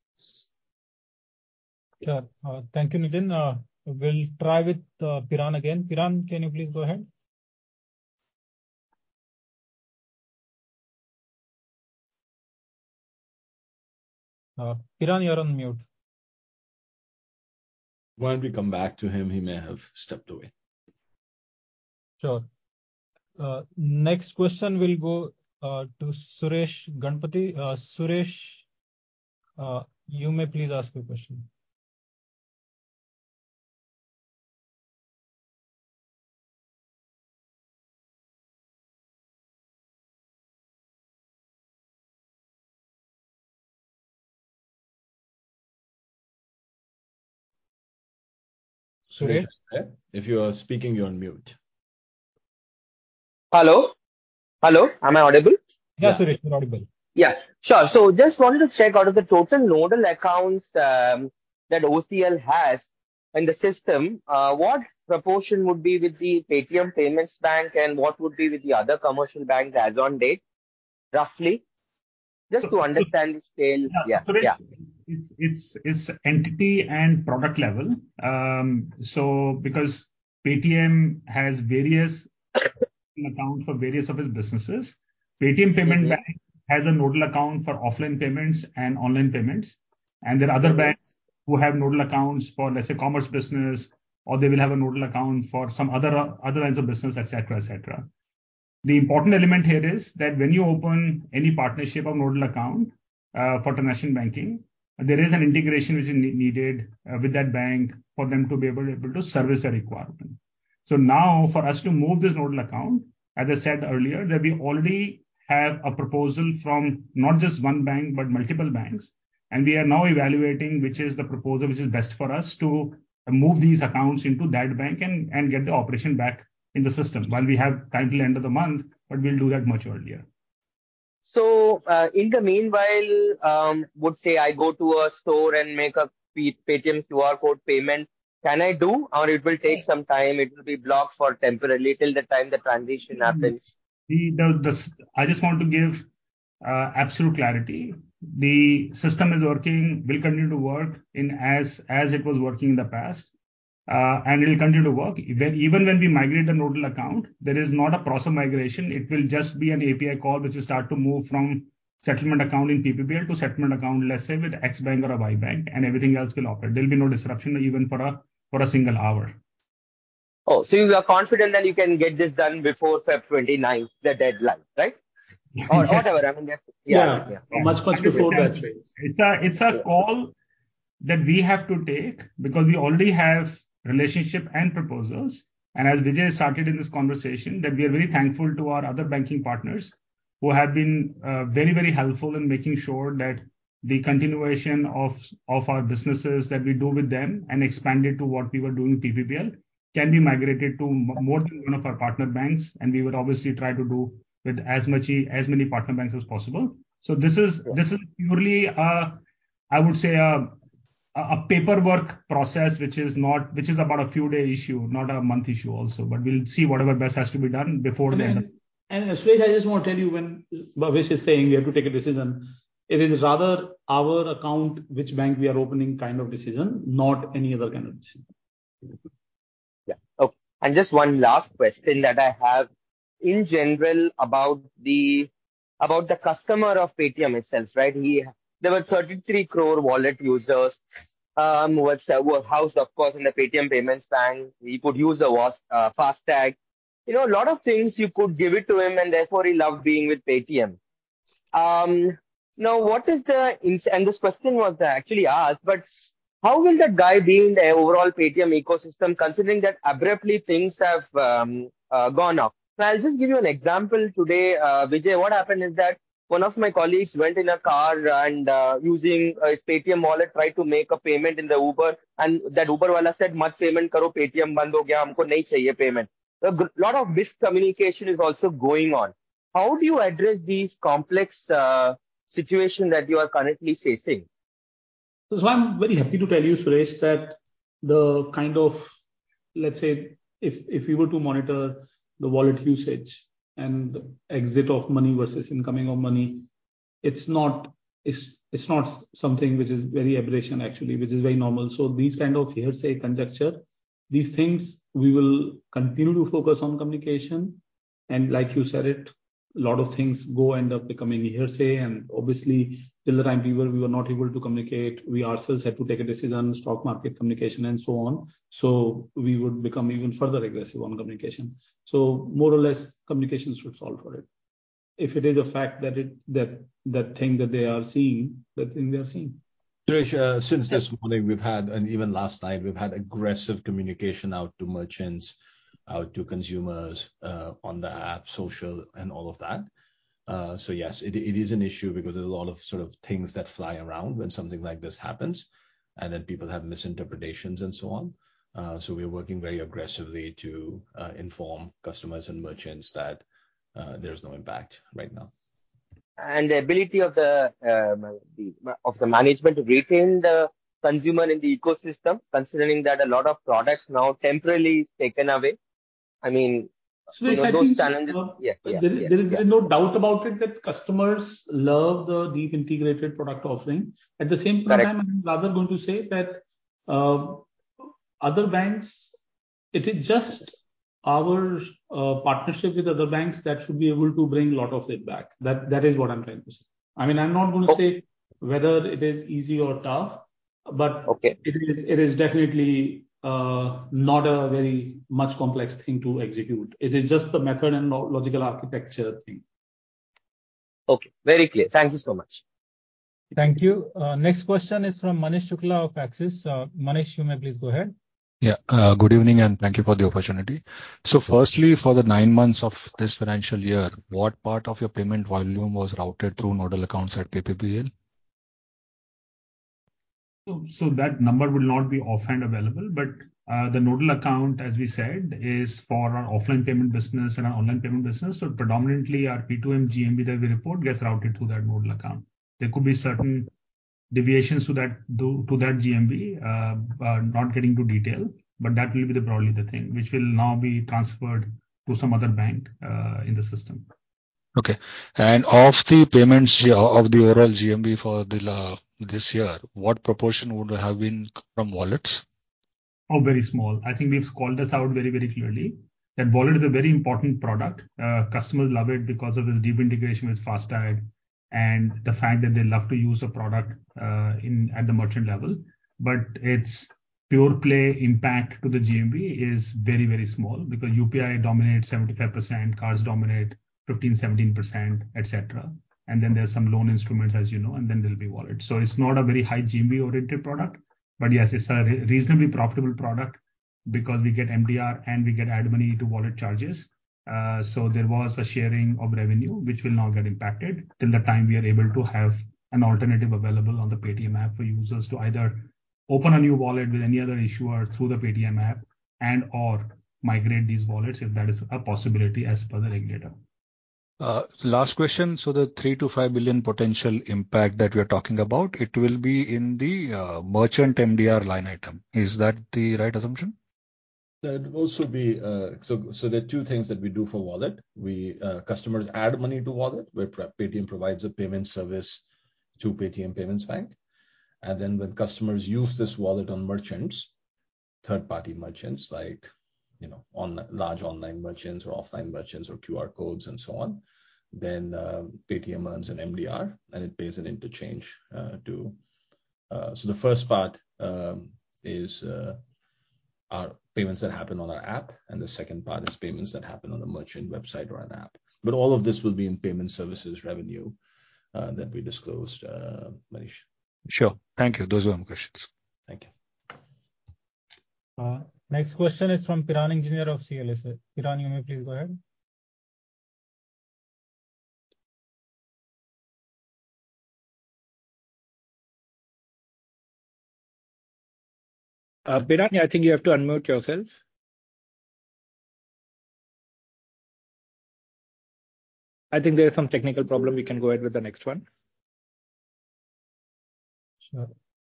Sure. Thank you, Nithin. We'll try with Biren again. Biren, can you please go ahead? Biren, you're on mute. Why don't we come back to him? He may have stepped away. Sure. Next question will go to Suresh Ganapathy. Suresh, you may please ask your question. Suresh, if you are speaking, you're on mute. Hello? Hello, am I audible? Yes, Suresh, you're audible. Yeah. Sure, so just wanted to check, out of the total nodal accounts, that OCL has in the system, what proportion would be with the Paytm Payments Bank, and what would be with the other commercial banks as on date, roughly? Just to understand the scale. Yeah. Yeah. It's entity and product level. So because Paytm has various accounts for various of its businesses, Paytm Payments Bank- Mm-hmm. has a Nodal Account for offline payments and online payments. Mm-hmm. There are other banks who have nodal accounts for, let's say, commerce business, or they will have a nodal account for some other, other lines of business, et cetera, et cetera. The important element here is that when you open any partnership or nodal account, for transaction banking, there is an integration which is needed, with that bank for them to be able to service a requirement. So now, for us to move this nodal account, as I said earlier, that we already have a proposal from not just one bank, but multiple banks... and we are now evaluating which is the proposal which is best for us to move these accounts into that bank and get the operation back in the system. While we have time till end of the month, but we'll do that much earlier. So, in the meanwhile, would say I go to a store and make a Paytm QR code payment, can I do, or it will take some time, it will be blocked for temporarily till the time the transition happens? I just want to give absolute clarity. The system is working, will continue to work as it was working in the past, and it'll continue to work. Even when we migrate the nodal account, there is not a process of migration. It will just be an API call, which will start to move from settlement account in PPBL to settlement account, let's say, with X bank or a Y bank, and everything else will operate. There'll be no disruption even for a single hour. Oh, so you are confident that you can get this done before February 29th, the deadline, right? Or whatever, I mean, yeah. Yeah. Yeah, much, much before that. It's a call that we have to take because we already have relationship and proposals. As Vijay started in this conversation, that we are very thankful to our other banking partners who have been very, very helpful in making sure that the continuation of our businesses that we do with them and expand it to what we were doing with PPBL, can be migrated to more than one of our partner banks, and we would obviously try to do with as much, as many partner banks as possible. This is purely, I would say, a paperwork process, which is not... Which is about a few day issue, not a month issue also. We'll see whatever best has to be done before the end. Suresh, I just want to tell you, when Vijay is saying we have to take a decision, it is rather our account, which bank we are opening kind of decision, not any other kind of decision. Yeah. Okay, and just one last question that I have. In general, about the customer of Paytm itself, right? There were 33 crore wallet users, which were housed, of course, in the Paytm Payments Bank. He could use the FASTag. You know, a lot of things you could give it to him, and therefore he loved being with Paytm. Now, and this question was actually asked, but how will that guy be in the overall Paytm ecosystem, considering that abruptly things have gone off? I'll just give you an example today. Vijay, what happened is that one of my colleagues went in a car and using his Paytm Wallet, tried to make a payment in the Uber, and that Uber wala said: "Mat payment karo, Paytm band ho gaya, humko nahi chahiye payment." A lot of miscommunication is also going on. How do you address these complex situation that you are currently facing? So I'm very happy to tell you, Suresh, that the kind of, let's say, if you were to monitor the wallet usage and exit of money versus incoming of money, it's not something which is very aberrant, actually. Which is very normal. So these kind of hearsay, conjecture, these things, we will continue to focus on communication. And like you said it, a lot of things go, end up becoming hearsay, and obviously, till the time we were not able to communicate, we ourselves had to take a decision, stock market communication, and so on. So we would become even further aggressive on communication. So more or less, communication should solve for it. If it is a fact that it, that thing that they are seeing, that thing they are seeing. Suresh, since this morning, we've had and even last night, we've had aggressive communication out to merchants, out to consumers, on the app, social, and all of that. So yes, it is an issue because there's a lot of sort of things that fly around when something like this happens, and then people have misinterpretations, and so on. So we're working very aggressively to inform customers and merchants that there's no impact right now. The ability of the management to retain the consumer in the ecosystem, considering that a lot of products now temporarily is taken away, I mean, those challenges- Suresh, I think- Yeah. There is no doubt about it, that customers love the deep integrated product offering. Correct. At the same time, I'm rather going to say that, other banks, it is just our, partnership with other banks that should be able to bring a lot of it back. That, that is what I'm trying to say. I mean, I'm not gonna say whether it is easy or tough, but- Okay... it is, it is definitely not a very much complex thing to execute. It is just the method and logical architecture thing. Okay, very clear. Thank you so much. Thank you. Next question is from Manish Shukla of Axis. Manish, you may please go ahead. Yeah. Good evening, and thank you for the opportunity. Firstly, for the nine months of this financial year, what part of your payment volume was routed through nodal accounts at PPBL? So, that number would not be offhand available, but the Nodal Account, as we said, is for our offline payment business and our online payment business. So predominantly, our P2M GMV that we report gets routed through that Nodal Account. There could be certain deviations to that, to that GMV, not getting into detail, but that will probably be the thing, which will now be transferred to some other bank in the system. Okay. And of the payments, of the overall GMV for the, this year, what proportion would have been from wallets? Oh, very small. I think we've called this out very, very clearly, that wallet is a very important product. Customers love it because of its deep integration with FASTag and the fact that they love to use the product at the merchant level. But its pure-play impact to the GMV is very, very small, because UPI dominates 75%, cards dominate 15%-17%, et cetera. And then there's some loan instruments, as you know, and then there'll be wallet. So it's not a very high GMV-oriented product, but yes, it's a reasonably profitable product... because we get MDR and we get add money to wallet charges. So, there was a sharing of revenue, which will now get impacted till the time we are able to have an alternative available on the Paytm app for users to either open a new wallet with any other issuer through the Paytm app and/or migrate these wallets if that is a possibility as per the regulator. Last question. So the 3 billion-5 billion potential impact that we are talking about, it will be in the merchant MDR line item. Is that the right assumption? So there are two things that we do for wallet. Customers add money to wallet, where Paytm provides a payment service to Paytm Payments Bank. And then, when customers use this wallet on merchants, third-party merchants, like, you know, on large online merchants or offline merchants or QR codes and so on, then Paytm earns an MDR, and it pays an interchange too. So the first part are payments that happen on our app, and the second part is payments that happen on a merchant website or an app. But all of this will be in payment services revenue that we disclosed, Manish. Sure. Thank you. Those were my questions. Thank you. Next question is from Biren Engineer of CLSA. Biren, you may please go ahead. Biren, I think you have to unmute yourself. I think there is some technical problem. We can go ahead with the next one. Sure.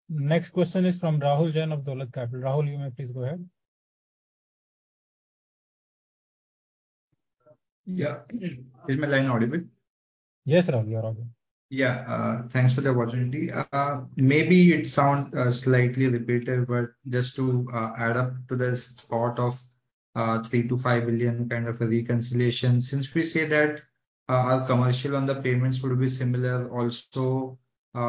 Next question is from Rahul Jain of Dolat Capital. Rahul, you may please go ahead. Yeah. Is my line audible? Yes, Rahul, you are audible. Yeah. Thanks for the opportunity. Maybe it sound slightly repetitive, but just to add up to this thought of 3 billion-5 billion, kind of, a reconciliation. Since we say that our commercial on the payments would be similar also,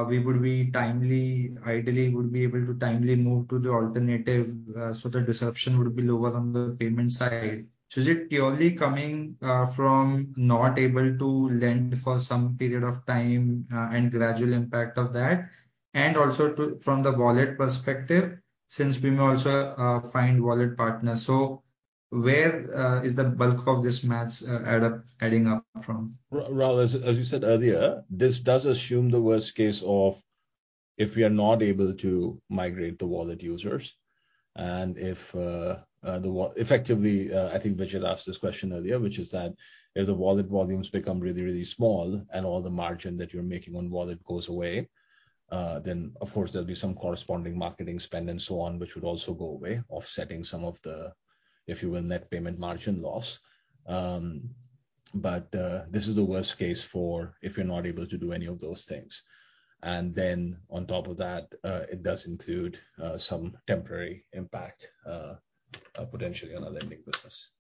we would be timely, ideally, we would be able to timely move to the alternative, so the disruption would be lower on the payment side. So is it purely coming from not able to lend for some period of time, and gradual impact of that? And also to from the wallet perspective, since we may also find wallet partners. So where is the bulk of this math add up adding up from? Rahul, as you said earlier, this does assume the worst case of if we are not able to migrate the wallet users. And if the wallet effectively, I think Vijay asked this question earlier, which is that if the wallet volumes become really, really small and all the margin that you're making on wallet goes away, then of course there'll be some corresponding marketing spend and so on, which would also go away, offsetting some of the, if you will, net payment margin loss. But this is the worst case for if you're not able to do any of those things. And then, on top of that, it does include some temporary impact potentially on our lending business.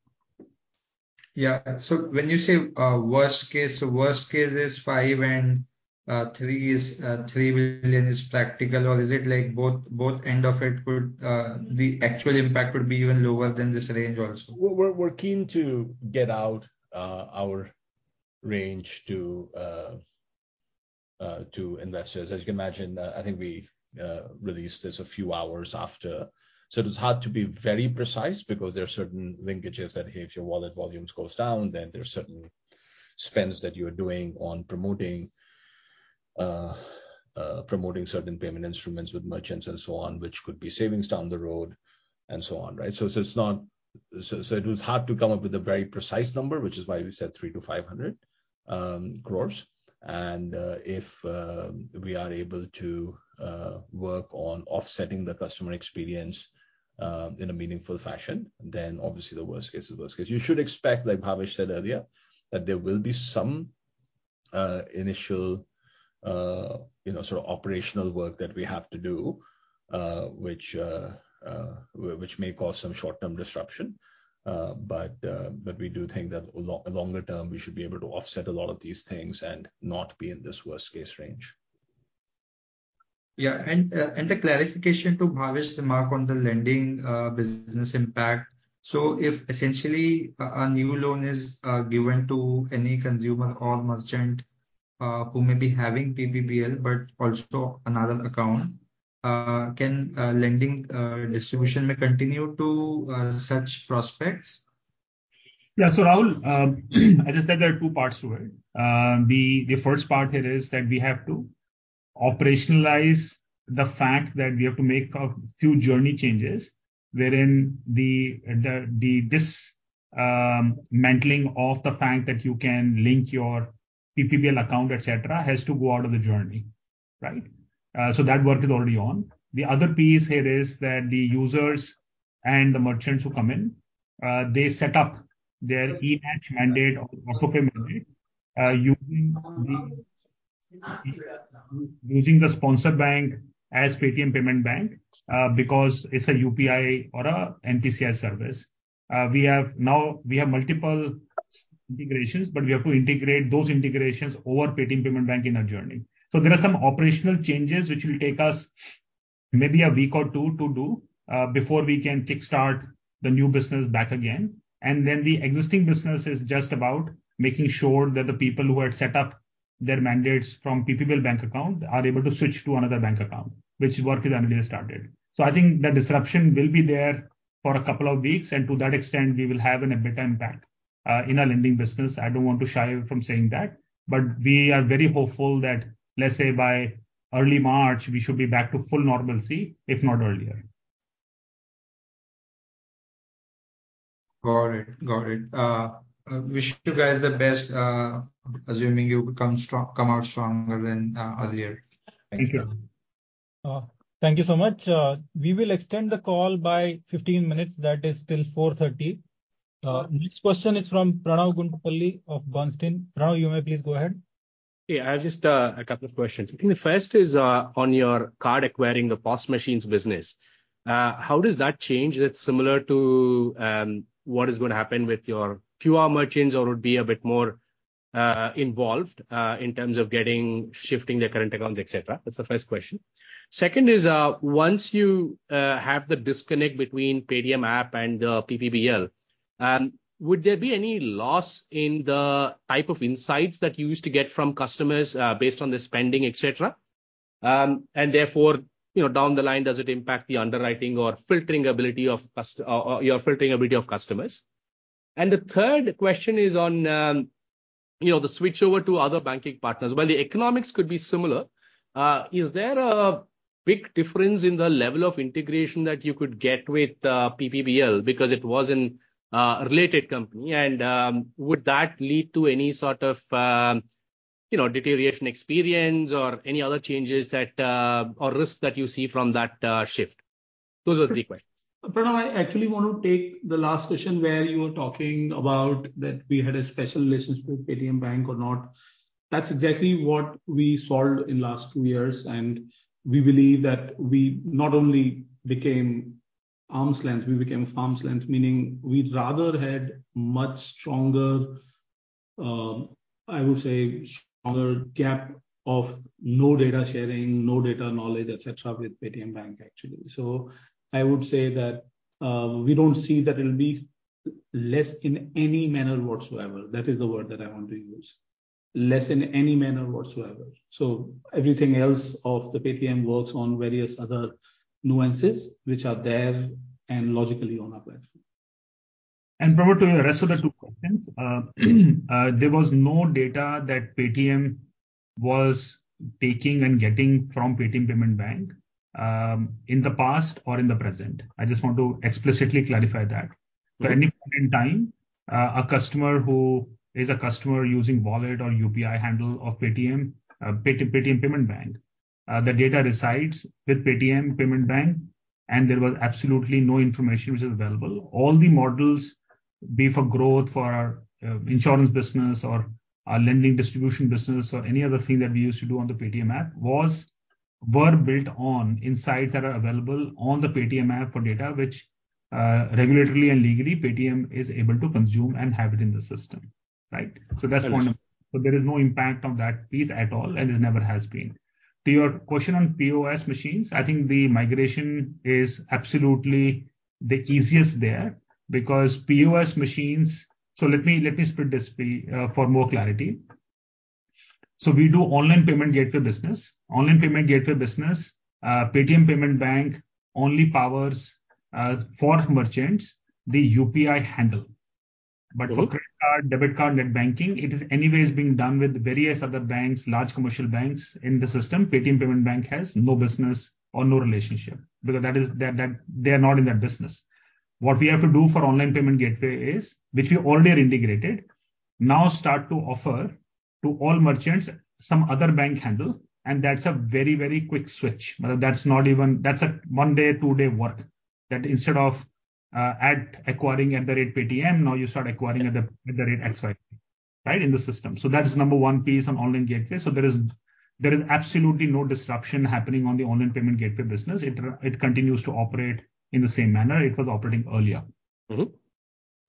Yeah. So when you say, worst case, worst case is 5, and, 3 is, 3 billion is practical? Or is it like both, both end of it would, the actual impact would be even lower than this range also? We're keen to get out our range to investors. As you can imagine, I think we released this a few hours after, so it's hard to be very precise because there are certain linkages that if your wallet volumes goes down, then there are certain spends that you are doing on promoting certain payment instruments with merchants and so on, which could be savings down the road and so on, right? So it's not... So it was hard to come up with a very precise number, which is why we said 300 crore-500 crore. And if we are able to work on offsetting the customer experience in a meaningful fashion, then obviously the worst case is worst case. You should expect, like Bhavesh said earlier, that there will be some initial, you know, sort of, operational work that we have to do, which may cause some short-term disruption. But we do think that a longer term, we should be able to offset a lot of these things and not be in this worst-case range. Yeah. And the clarification to Bhavesh's remark on the lending business impact. So if essentially a new loan is given to any consumer or merchant who may be having PPBL, but also another account, can lending distribution may continue to such prospects? Yeah. So, Rahul, as I said, there are two parts to it. The first part here is that we have to operationalize the fact that we have to make a few journey changes, wherein the dismantling of the fact that you can link your PPBL account, et cetera, has to go out of the journey, right? So that work is already on. The other piece here is that the users and the merchants who come in, they set up their e-mandate or auto payment, using the sponsor bank as Paytm Payments Bank, because it's a UPI or a NPCI service. Now we have multiple integrations, but we have to integrate those integrations over Paytm Payments Bank in our journey. So there are some operational changes which will take us maybe a week or two to do before we can kick-start the new business back again. And then, the existing business is just about making sure that the people who had set up their mandates from PPBL bank account are able to switch to another bank account, which work has already started. So I think the disruption will be there for a couple of weeks, and to that extent, we will have an EBITDA impact in our lending business. I don't want to shy away from saying that. But we are very hopeful that, let's say, by early March, we should be back to full normalcy, if not earlier. Got it. Got it. I wish you guys the best, assuming you become strong—come out stronger than earlier. Thank you. Thank you so much. We will extend the call by 15 minutes, that is till 4:30 P.M. Next question is from Pranav Gundlapalle of Bernstein. Pranav, you may please go ahead. Yeah, I have just a couple of questions. I think the first is on your card acquiring the POS machines business. How does that change that's similar to what is going to happen with your QR merchants or would be a bit more involved in terms of getting, shifting their current accounts, et cetera? That's the first question. Second is once you have the disconnect between Paytm app and the PPBL, would there be any loss in the type of insights that you used to get from customers based on their spending, et cetera? And therefore, you know, down the line, does it impact the underwriting or filtering ability of customers or your filtering ability of customers? And the third question is on, you know, the switchover to other banking partners. While the economics could be similar, is there a big difference in the level of integration that you could get with PPBL because it was a related company and would that lead to any sort of, you know, deterioration experience or any other changes that or risks that you see from that shift? Those are the three questions. Pranav, I actually want to take the last question where you were talking about that we had a special relationship with Paytm Bank or not. That's exactly what we solved in last two years, and we believe that we not only became arm's length, we became arm's length, meaning we rather had much stronger, I would say, stronger gap of no data sharing, no data knowledge, et cetera, with Paytm Bank, actually. So I would say that, we don't see that it'll be less in any manner whatsoever. That is the word that I want to use. Less in any manner whatsoever. So everything else of the Paytm works on various other nuances which are there and logically on our platform. Pranav, to the rest of the two questions, there was no data that Paytm was taking and getting from Paytm Payments Bank, in the past or in the present. I just want to explicitly clarify that. So at any point in time, a customer who is a customer using wallet or UPI handle of Paytm, Paytm Payments Bank, the data resides with Paytm Payments Bank, and there was absolutely no information which is available. All the models, be for growth for our, insurance business or our lending distribution business or any other thing that we used to do on the Paytm app, were built on insights that are available on the Paytm app for data which, regulatory and legally Paytm is able to consume and have it in the system, right? Understood. So that's one. So there is no impact on that piece at all, and it never has been. To your question on POS machines, I think the migration is absolutely the easiest there because POS machines... So let me split this for more clarity. So we do online payment gateway business. Online payment gateway business, Paytm Payments Bank only powers, for merchants, the UPI handle. Okay. But for credit card, debit card, net banking, it is anyways being done with various other banks, large commercial banks in the system. Paytm Payments Bank has no business or no relationship because that is, they are not in that business. What we have to do for online payment gateway is, which we already are integrated, now start to offer to all merchants some other bank handle, and that's a very, very quick switch. That's not even-- That's a 1-day, 2-day work, that instead of at acquiring @paytm, now you start acquiring at the, at the @XY, right? In the system. So that is number one piece on online gateway. So there is absolutely no disruption happening on the online payment gateway business. It continues to operate in the same manner it was operating earlier. Mm-hmm.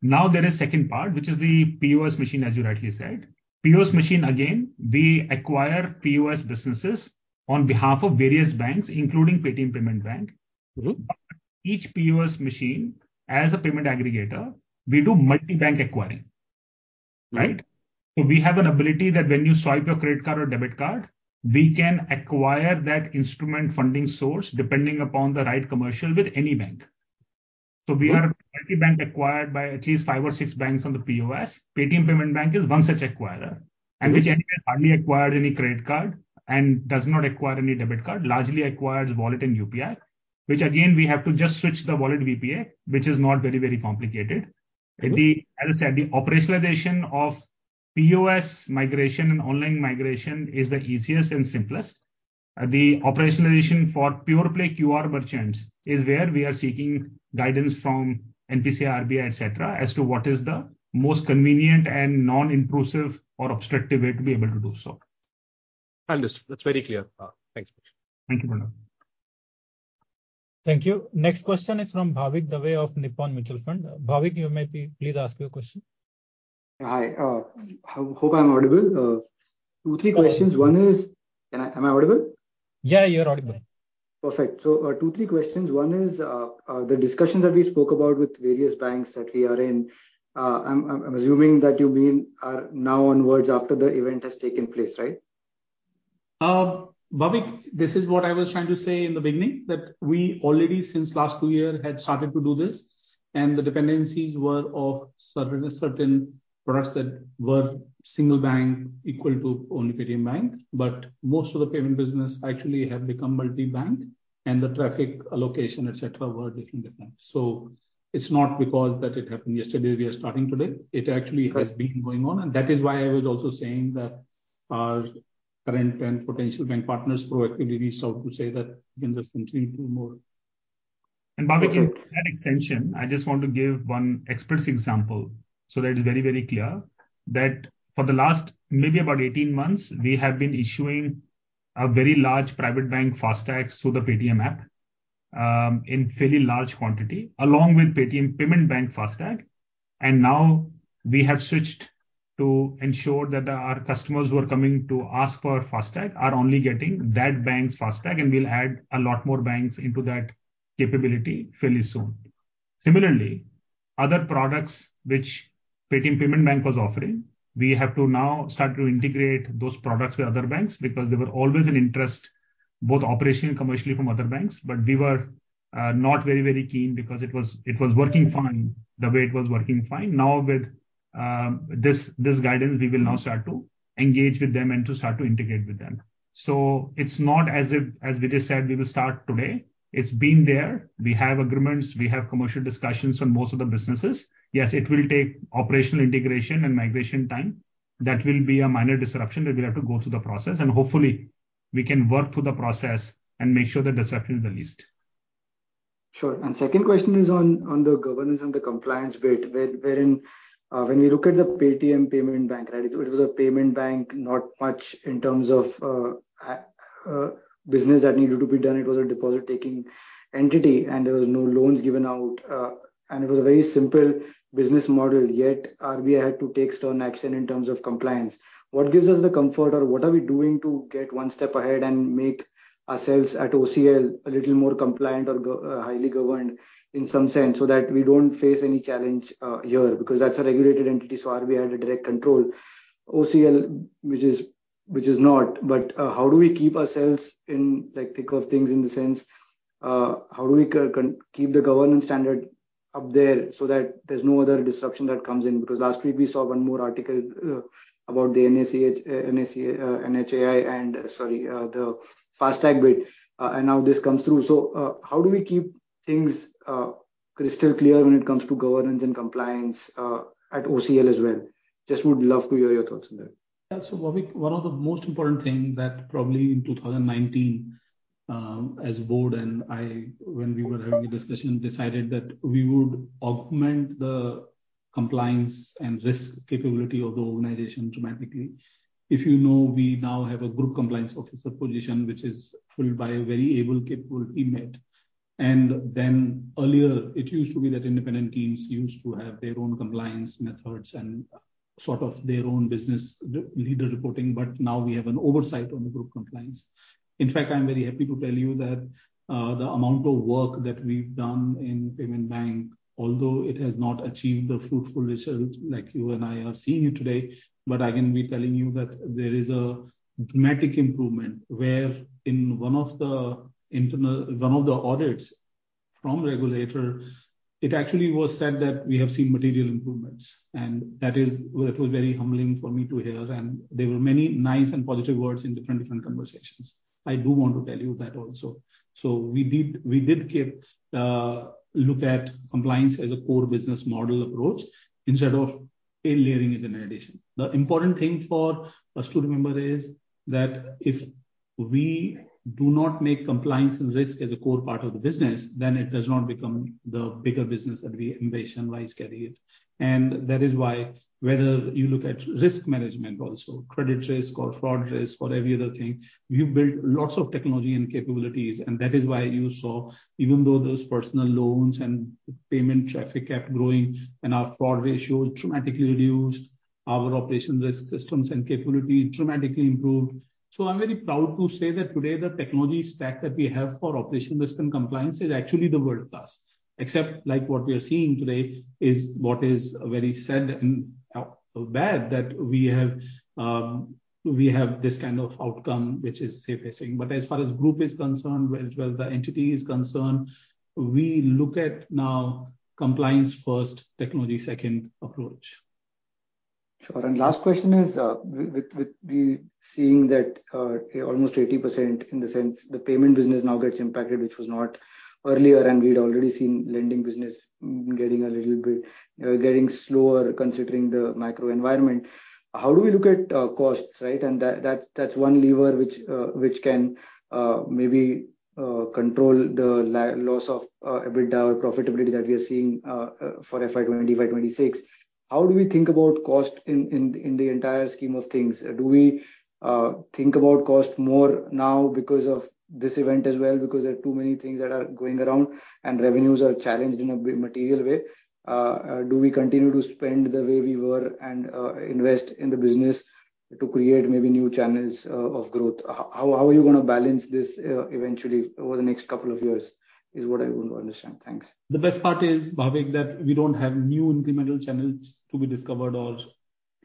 Now, there is second part, which is the POS machine, as you rightly said. POS machine, again, we acquire POS businesses on behalf of various banks, including Paytm Payments Bank. Mm-hmm. Each POS machine, as a payment aggregator, we do multi-bank acquiring, right? Mm-hmm. We have an ability that when you swipe your credit card or debit card, we can acquire that instrument funding source, depending upon the right commercial with any bank. Right. We are multi-bank acquired by at least five or six banks on the POS. Paytm Payments Bank is one such acquirer- Mm-hmm... and which anyways hardly acquired any credit card and does not acquire any debit card, largely acquires wallet and UPI, which again, we have to just switch the wallet UPI, which is not very, very complicated. Mm-hmm. As I said, the operationalization of POS migration and online migration is the easiest and simplest. The operationalization for pure play QR merchants is where we are seeking guidance from NPCI, RBI, et cetera, as to what is the most convenient and non-intrusive or obstructive way to be able to do so. Understood. That's very clear. Thanks much. Thank you, Pranav. Thank you. Next question is from Bhavik Dave of Nippon Mutual Fund. Bhavik, you may please ask your question. Hi. I hope I'm audible. Two, three questions. One is... Am I audible? Yeah, you're audible. ...Perfect. So, 2, 3 questions. One is, the discussions that we spoke about with various banks that we are in, I'm assuming that you mean, now onwards after the event has taken place, right? Bhavik, this is what I was trying to say in the beginning, that we already, since last two years, had started to do this, and the dependencies were of certain, certain products that were single bank equal to only Paytm Bank. But most of the payment business actually have become multi-bank, and the traffic allocation, et cetera, were different, different. So it's not because that it happened yesterday, we are starting today. Right. It actually has been going on, and that is why I was also saying that our current and potential bank partners proactively reached out to say that we can just continue to do more. Bhavik, in that extension, I just want to give one explicit example, so that it's very, very clear, that for the last maybe about 18 months, we have been issuing a very large private bank FASTags to the Paytm app, in fairly large quantity, along with Paytm Payments Bank FASTag. And now we have switched to ensure that our customers who are coming to ask for FASTag are only getting that bank's FASTag, and we'll add a lot more banks into that capability fairly soon. Similarly, other products which Paytm Payments Bank was offering, we have to now start to integrate those products with other banks because they were always an interest, both operationally and commercially from other banks. But we were, not very, very keen because it was, it was working fine the way it was working fine. Now, with this guidance, we will now start to engage with them and to start to integrate with them. So it's not as if, as Vijay said, we will start today. It's been there. We have agreements, we have commercial discussions on most of the businesses. Yes, it will take operational integration and migration time. That will be a minor disruption, but we have to go through the process, and hopefully we can work through the process and make sure the disruption is the least. Sure. And second question is on, on the governance and the compliance bit, where, wherein, when we look at the Paytm Payments Bank, right? It was a payment bank, not much in terms of, a, business that needed to be done. It was a deposit-taking entity, and there was no loans given out, and it was a very simple business model. Yet RBI had to take stern action in terms of compliance. What gives us the comfort, or what are we doing to get one step ahead and make ourselves at OCL a little more compliant or go, highly governed in some sense, so that we don't face any challenge, here? Because that's a regulated entity, so RBI had a direct control. OCL, how do we keep ourselves in, like, the thick of things in the sense, how do we keep the governance standard up there so that there's no other disruption that comes in? Because last week we saw one more article about the NACH, NHAI and the FASTag bit, and now this comes through. So, how do we keep things crystal clear when it comes to governance and compliance at OCL as well? Just would love to hear your thoughts on that. Yeah. So, Bhavik, one of the most important thing that probably in 2019, as the board and I, when we were having a discussion, decided that we would augment the compliance and risk capability of the organization dramatically. If you know, we now have a group compliance officer position, which is filled by a very able, capable female. And then earlier, it used to be that independent teams used to have their own compliance methods and sort of their own business leader reporting, but now we have an oversight on the group compliance. In fact, I'm very happy to tell you that the amount of work that we've done in payment bank, although it has not achieved the fruitful results like you and I are seeing today, but I can be telling you that there is a dramatic improvement, wherein one of the audits from regulator, it actually was said that we have seen material improvements, and that is... It was very humbling for me to hear, and there were many nice and positive words in different, different conversations. I do want to tell you that also. So we did keep look at compliance as a core business model approach instead of a layering as an addition. The important thing for us to remember is that if we do not make compliance and risk as a core part of the business, then it does not become the bigger business that we ambition-wise carry it. And that is why whether you look at risk management also, credit risk or fraud risk or every other thing, we've built lots of technology and capabilities, and that is why you saw even though those personal loans and payment traffic kept growing and our fraud ratio dramatically reduced, our operational risk systems and capability dramatically improved. So I'm very proud to say that today, the technology stack that we have for operational risk and compliance is actually the world-class. Except like what we are seeing today is what is very sad and bad that we have this kind of outcome, which is safe pacing. As far as group is concerned, as well as the entity is concerned, we look at now compliance first, technology second approach. Sure. And last question is, with seeing that almost 80%, in the sense the payment business now gets impacted, which was not earlier, and we'd already seen lending business, getting a little bit getting slower, considering the macro environment. How do we look at costs, right? And that's one lever which can maybe control the loss of EBITDA or profitability that we are seeing for FY 2025, 2026. How do we think about cost in the entire scheme of things? Do we think about cost more now because of this event as well, because there are too many things that are going around and revenues are challenged in a big material way? Do we continue to spend the way we were and invest in the business to create maybe new channels of growth? How are you going to balance this eventually over the next couple of years? That is what I want to understand. Thanks. The best part is, Bhavik, that we don't have new incremental channels to be discovered or-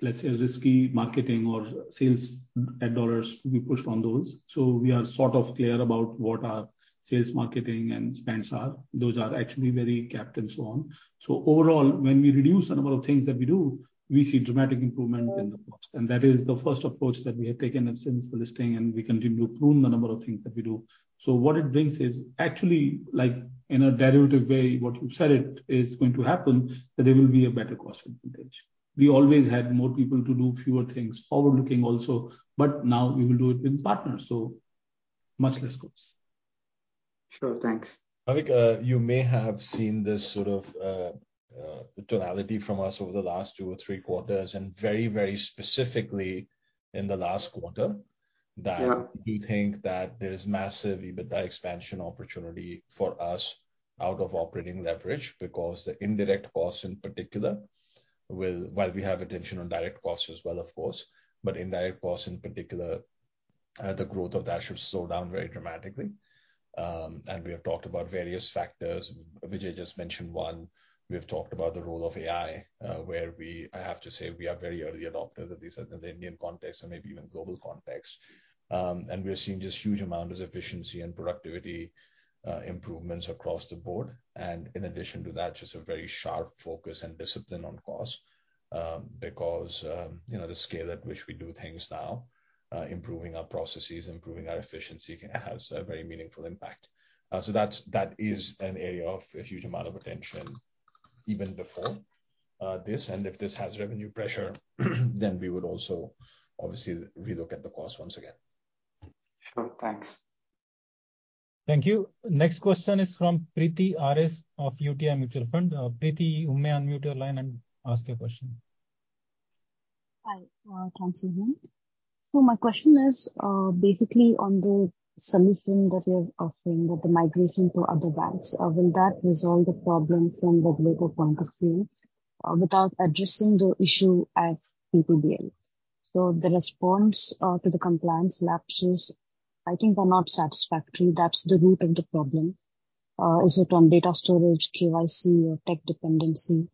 ...let's say, risky marketing or sales head dollars, we pushed on those. So we are sort of clear about what our sales, marketing, and spends are. Those are actually very capped and so on. So overall, when we reduce the number of things that we do, we see dramatic improvement in the cost. And that is the first approach that we have taken since the listing, and we continue to prune the number of things that we do. So what it brings is actually, like, in a derivative way, what you've said it is going to happen, that there will be a better cost advantage. We always had more people to do fewer things, forward-looking also, but now we will do it with partners, so much less cost. Sure. Thanks. Bhavik, you may have seen this sort of totality from us over the last two or three quarters, and very, very specifically in the last quarter- Yeah that we think that there is massive EBITDA expansion opportunity for us out of operating leverage because the indirect costs, in particular, will—while we have attention on direct costs as well, of course, but indirect costs in particular, the growth of that should slow down very dramatically. And we have talked about various factors. Vijay just mentioned one. We have talked about the role of AI, where we, I have to say, we are very early adopters of these in the Indian context and maybe even global context. And we are seeing just huge amount of efficiency and productivity, improvements across the board. And in addition to that, just a very sharp focus and discipline on cost, because, you know, the scale at which we do things now, improving our processes, improving our efficiency can—has a very meaningful impact. So that's, that is an area of a huge amount of attention even before this. And if this has revenue pressure, then we would also obviously re-look at the cost once again. Sure. Thanks. Thank you. Next question is from Preethi R.S. of UTI Mutual Fund. Preethi, you may unmute your line and ask your question. Hi, thanks, Vijay. So my question is, basically on the solution that you're offering, with the migration to other banks, will that resolve the problem from the regulator point of view, without addressing the issue at PPBL? So the response to the compliance lapses, I think are not satisfactory. That's the root of the problem. Is it on data storage, KYC or tech dependency?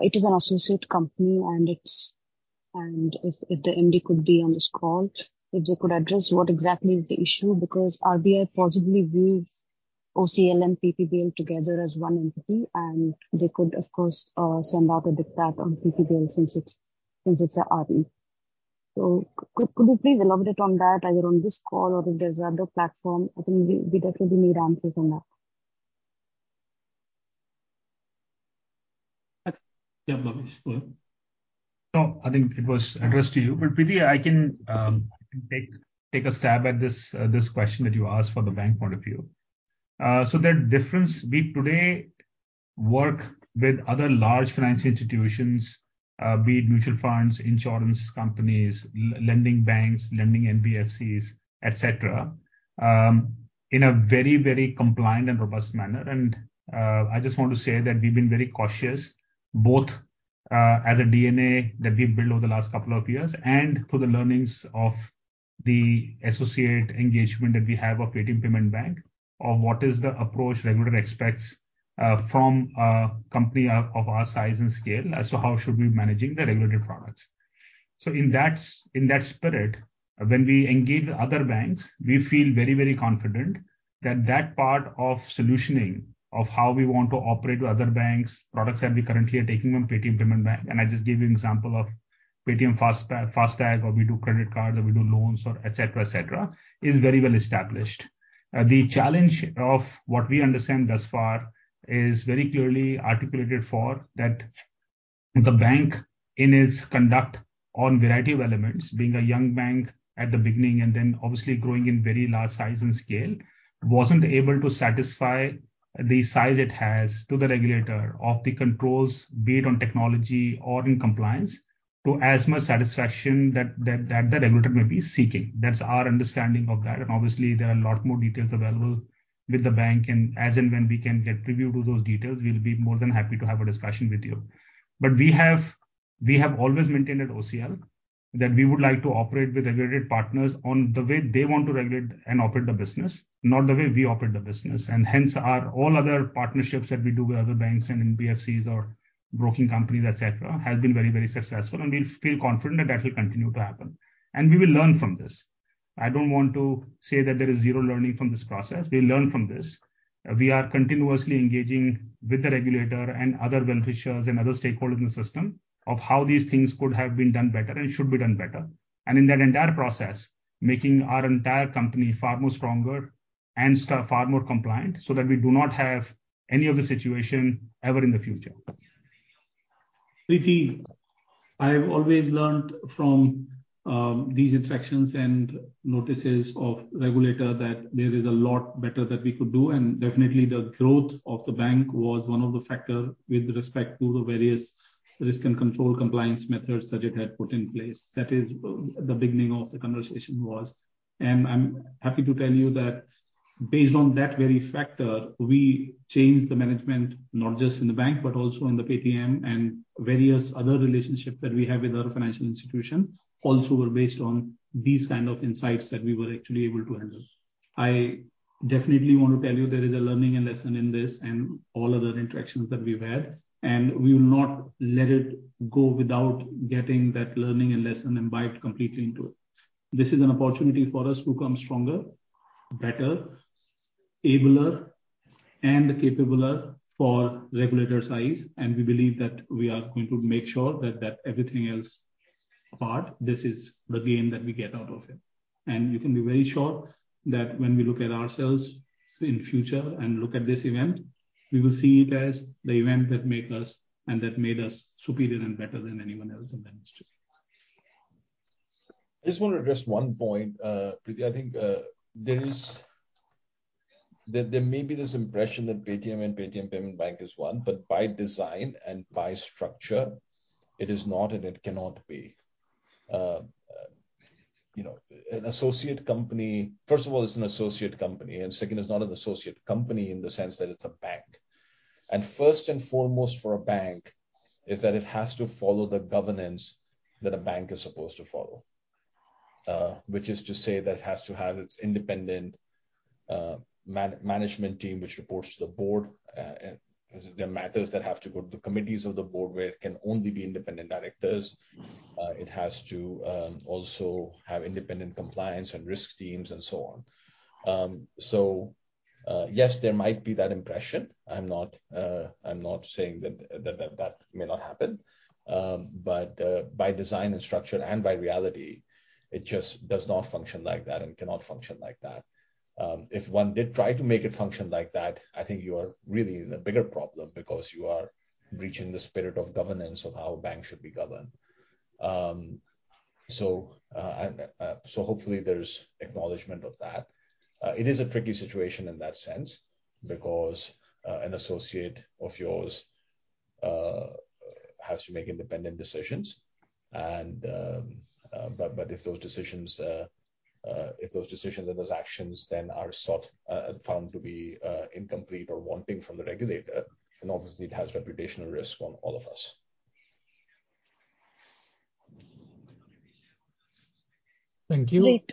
It is an associate company, and it's. And if the MD could be on this call, if they could address what exactly is the issue, because RBI possibly views OCL and PPBL together as one entity, and they could, of course, send out a diktat on PPBL since it's an RE. So could you please elaborate on that, either on this call or if there's other platform? I think we definitely need answers on that. Yeah, Bhavesh, go ahead. No, I think it was addressed to you. But, Preethi, I can take a stab at this question that you asked from the bank point of view. So the difference, we today work with other large financial institutions, be it mutual funds, insurance companies, lending banks, lending NBFCs, et cetera, in a very, very compliant and robust manner. And, I just want to say that we've been very cautious both, as a DNA that we've built over the last couple of years, and through the learnings of the associate engagement that we have of Paytm Payment Bank, of what is the approach regulator expects, from a company of our size and scale as to how should we be managing the regulated products. So, in that spirit, when we engage with other banks, we feel very, very confident that that part of solutioning, of how we want to operate with other banks, products that we currently are taking from Paytm Payments Bank, and I just gave you an example of Paytm FASTag, or we do credit cards, or we do loans or et cetera, et cetera, is very well established. The challenge of what we understand thus far is very clearly articulated for that the bank, in its conduct on variety of elements, being a young bank at the beginning and then obviously growing in very large size and scale, wasn't able to satisfy the size it has to the regulator of the controls, be it on technology or in compliance, to as much satisfaction that the regulator may be seeking. That's our understanding of that. And obviously, there are a lot more details available with the bank, and as and when we can get privy to those details, we'll be more than happy to have a discussion with you. But we have, we have always maintained at OCL that we would like to operate with regulated partners on the way they want to regulate and operate the business, not the way we operate the business. And hence, our all other partnerships that we do with other banks and NBFCs or broking companies, et cetera, has been very, very successful, and we feel confident that that will continue to happen. And we will learn from this. I don't want to say that there is zero learning from this process. We'll learn from this. We are continuously engaging with the regulator and other beneficiaries and other stakeholders in the system of how these things could have been done better and should be done better. And in that entire process, making our entire company far more stronger and far more compliant, so that we do not have any other situation ever in the future. Preethi, I've always learned from these interactions and notices of regulator, that there is a lot better that we could do, and definitely the growth of the bank was one of the factor with respect to the various risk and control compliance methods that it had put in place. That is, the beginning of the conversation was. I'm happy to tell you that based on that very factor, we changed the management, not just in the bank, but also in the Paytm and various other relationships that we have with other financial institutions, also were based on these kind of insights that we were actually able to handle. I definitely want to tell you there is a learning and lesson in this and all other interactions that we've had, and we will not let it go without getting that learning and lesson and buy it completely into it. This is an opportunity for us to come stronger, better, abler, and capabler for regulator's eyes, and we believe that we are going to make sure that everything else apart, this is the gain that we get out of it. You can be very sure that when we look at ourselves in future and look at this event, we will see it as the event that make us and that made us superior and better than anyone else in the industry. I just want to address one point, Preethi. I think there may be this impression that Paytm and Paytm Payments Bank is one, but by design and by structure, it is not, and it cannot be. You know, an associate company. First of all, it's an associate company, and second, it's not an associate company in the sense that it's a bank. And first and foremost, for a bank, is that it has to follow the governance that a bank is supposed to follow. Which is to say that it has to have its independent management team, which reports to the board. There are matters that have to go to the committees of the board, where it can only be independent directors. It has to also have independent compliance and risk teams, and so on. Yes, there might be that impression. I'm not saying that may not happen. But by design and structure and by reality, it just does not function like that and cannot function like that. If one did try to make it function like that, I think you are really in a bigger problem because you are breaching the spirit of governance of how a bank should be governed. So hopefully there's acknowledgement of that. It is a tricky situation in that sense because an associate of yours has to make independent decisions, but if those decisions and those actions then are sought and found to be incomplete or wanting from the regulator, then obviously it has reputational risk on all of us. Thank you. Great.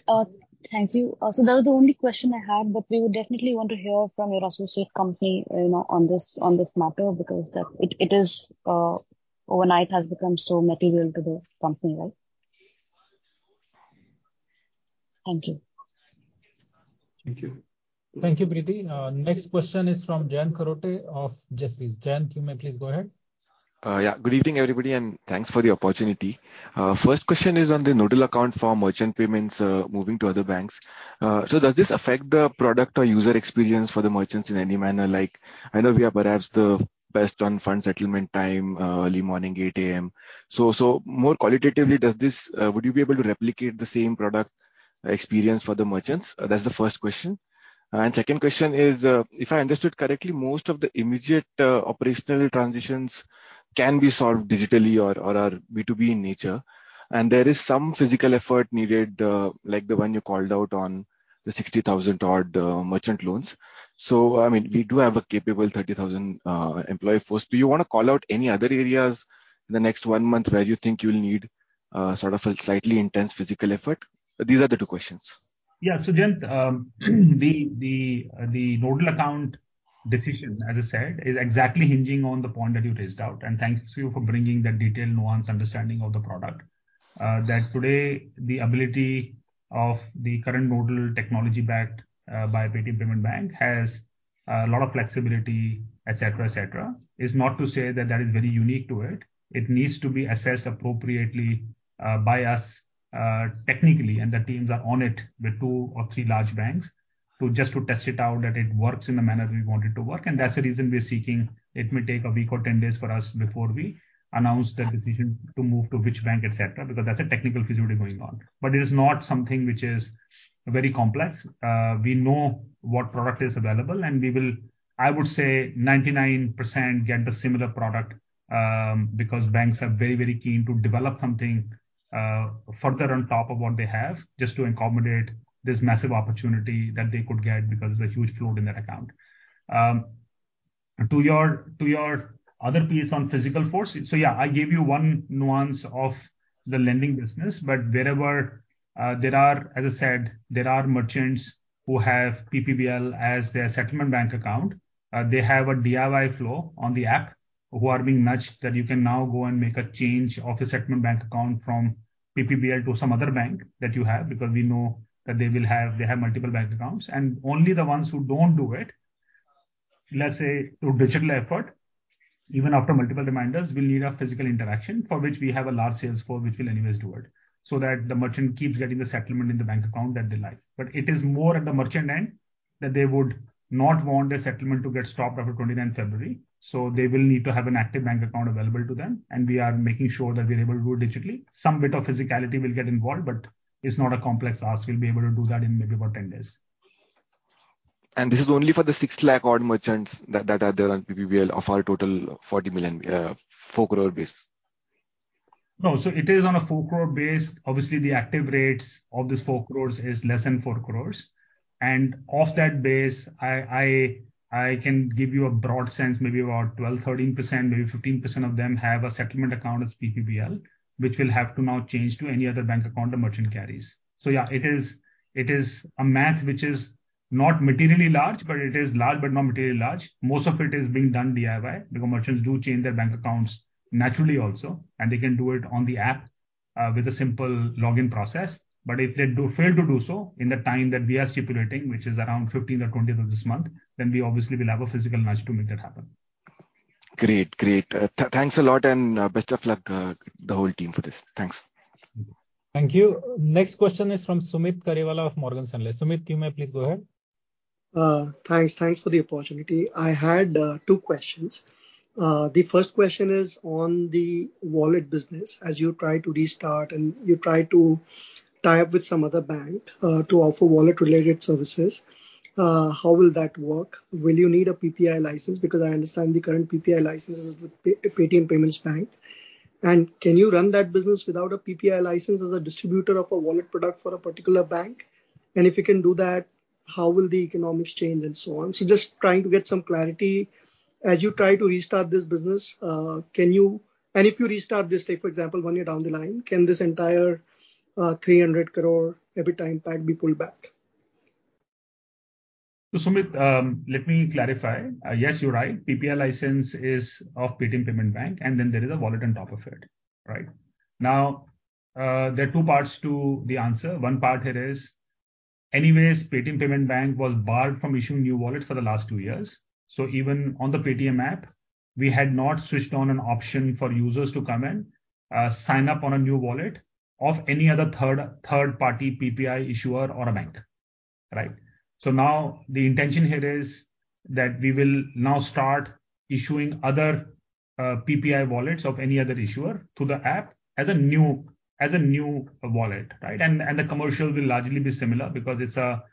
Thank you. So that was the only question I had, but we would definitely want to hear from your associate company, you know, on this, on this matter, because it overnight has become so material to the company, right? Thank you. Thank you. Thank you, Preethi. Next question is from Jayant Kharote of Jefferies. Jayant, you may please go ahead. Yeah. Good evening, everybody, and thanks for the opportunity. First question is on the nodal account for merchant payments, moving to other banks. So does this affect the product or user experience for the merchants in any manner? Like, I know we are perhaps the best on fund settlement time, early morning, 8:00 A.M. So, more qualitatively, does this would you be able to replicate the same product experience for the merchants? That's the first question. And second question is, if I understood correctly, most of the immediate operational transitions can be solved digitally or are B2B in nature, and there is some physical effort needed, like the one you called out on the 60,000-odd merchant loans. So I mean, we do have a capable 30,000 employee force. Do you want to call out any other areas in the next one month where you think you'll need, sort of a slightly intense physical effort? These are the two questions. Yeah. So, Jayant, the nodal account decision, as I said, is exactly hinging on the point that you raised out. And thank you for bringing that detailed, nuanced understanding of the product. That today, the ability of the current nodal technology backed by Paytm Payments Bank has a lot of flexibility, et cetera, et cetera, is not to say that that is very unique to it. It needs to be assessed appropriately by us technically, and the teams are on it with two or three large banks. To just to test it out that it works in the manner we want it to work, and that's the reason we're seeking. It may take a week or 10 days for us before we announce the decision to move to which bank, et cetera, because that's a technical feasibility going on. But it is not something which is very complex. We know what product is available, and we will, I would say, 99% get the similar product, because banks are very, very keen to develop something, further on top of what they have, just to accommodate this massive opportunity that they could get, because there's a huge float in that account. To your, to your other piece on physical force. So yeah, I gave you one nuance of the lending business, but wherever, there are, as I said, there are merchants who have PPBL as their settlement bank account. They have a DIY flow on the app who are being nudged, that you can now go and make a change of your settlement bank account from PPBL to some other bank that you have, because we know that they will have-- they have multiple bank accounts. And only the ones who don't do it, let's say, through digital effort, even after multiple reminders, will need a physical interaction, for which we have a large sales force which will anyways do it, so that the merchant keeps getting the settlement in the bank account that they like. But it is more at the merchant end, that they would not want their settlement to get stopped after twenty-ninth February, so they will need to have an active bank account available to them, and we are making sure that we're able to do it digitally. Some bit of physicality will get involved, but it's not a complex ask. We'll be able to do that in maybe about 10 days. This is only for the 6 lakh odd merchants that are there on PPBL of our total 40 million, 4 crore base? No, so it is on a 4 crore base. Obviously, the active rates of this 4 crores is less than 4 crores. And of that base, I can give you a broad sense, maybe about 12%, 13%, maybe 15% of them have a settlement account as PPBL, which will have to now change to any other bank account the merchant carries. So yeah, it is a math which is not materially large, but it is large, but not materially large. Most of it is being done DIY. The commercials do change their bank accounts naturally also, and they can do it on the app with a simple login process. But if they do fail to do so in the time that we are stipulating, which is around fifteenth or twentieth of this month, then we obviously will have a physical nudge to make that happen. Great, great. Thanks a lot, and best of luck, the whole team for this. Thanks. Thank you. Next question is from Sumeet Kariwala of Morgan Stanley. Sumit, you may please go ahead. Thanks. Thanks for the opportunity. I had two questions. The first question is on the wallet business. As you try to restart and you try to tie up with some other bank to offer wallet-related services, how will that work? Will you need a PPI license? Because I understand the current PPI license is with Paytm Payments Bank. And can you run that business without a PPI license as a distributor of a wallet product for a particular bank? And if you can do that, how will the economics change, and so on. So just trying to get some clarity. As you try to restart this business, can you... And if you restart this, say, for example, one year down the line, can this entire 300 crore EBITDA impact be pulled back? So, Sumit, let me clarify. Yes, you're right. PPI license is of Paytm Payments Bank, and then there is a wallet on top of it, right? Now, there are two parts to the answer. One part here is, anyways, Paytm Payments Bank was barred from issuing new wallets for the last two years. So even on the Paytm app, we had not switched on an option for users to come in, sign up on a new wallet of any other third-party PPI issuer or a bank, right? So now the intention here is that we will now start issuing other, PPI wallets of any other issuer to the app as a new, as a new wallet, right? And the commercial will largely be similar because it's an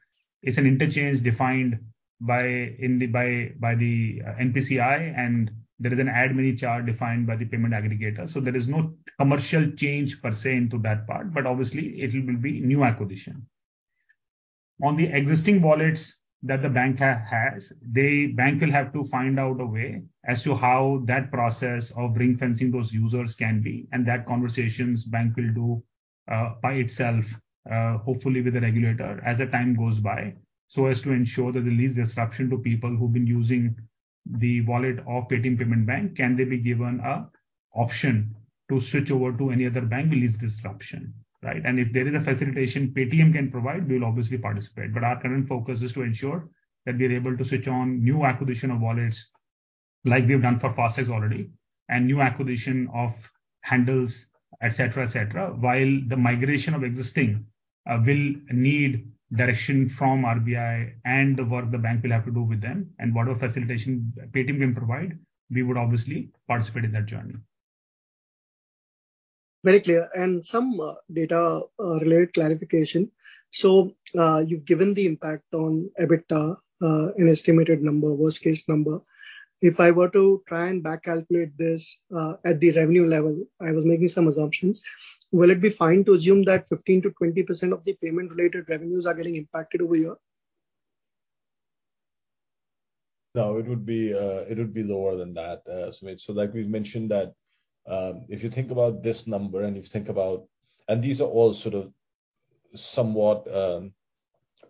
interchange defined by the NPCI, and there is an admin charge defined by the payment aggregator. So there is no commercial change per se into that part, but obviously it will be new acquisition. On the existing wallets that the bank has, the bank will have to find out a way as to how that process of ring-fencing those users can be. And that conversations bank will do by itself, hopefully with the regulator, as the time goes by, so as to ensure that the least disruption to people who've been using the wallet of Paytm Payments Bank can they be given an option to switch over to any other bank with least disruption, right? And if there is a facilitation Paytm can provide, we will obviously participate. But our current focus is to ensure that we are able to switch on new acquisition of wallets like we've done for FASTag already, and new acquisition of handles, et cetera, et cetera. While the migration of existing, will need direction from RBI and the work the bank will have to do with them, and whatever facilitation Paytm can provide, we would obviously participate in that journey. Very clear. And some data related clarification. So, you've given the impact on EBITDA an estimated number, worst case number. If I were to try and back calculate this at the revenue level, I was making some assumptions, will it be fine to assume that 15%-20% of the payment-related revenues are getting impacted over here? No, it would be lower than that, Sumit. So like we've mentioned that, if you think about this number and if you think about... And these are all sort of somewhat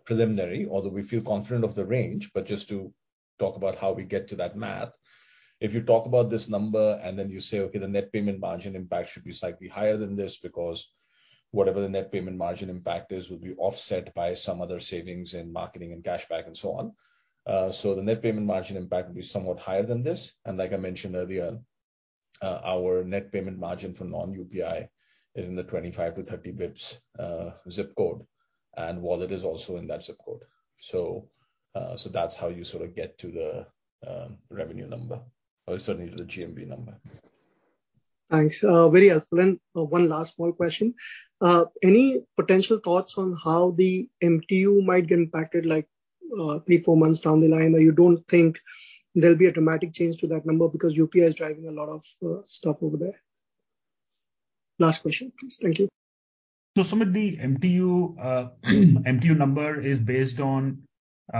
preliminary, although we feel confident of the range. But just to talk about how we get to that math, if you talk about this number and then you say, "Okay, the net payment margin impact should be slightly higher than this," because whatever the net payment margin impact is, will be offset by some other savings in marketing and cash back and so on. So the net payment margin impact will be somewhat higher than this. And like I mentioned earlier, our net payment margin from non-UPI is in the 25-30 basis points zip code, and wallet is also in that zip code. So, that's how you sort of get to the revenue number, or certainly to the GMV number. Thanks. Very helpful. One last small question. Any potential thoughts on how the MTU might get impacted, like, 3-4 months down the line? Or you don't think there'll be a dramatic change to that number because UPI is driving a lot of stuff over there? Last question, please. Thank you. So Sumit, the MTU, MTU number is based on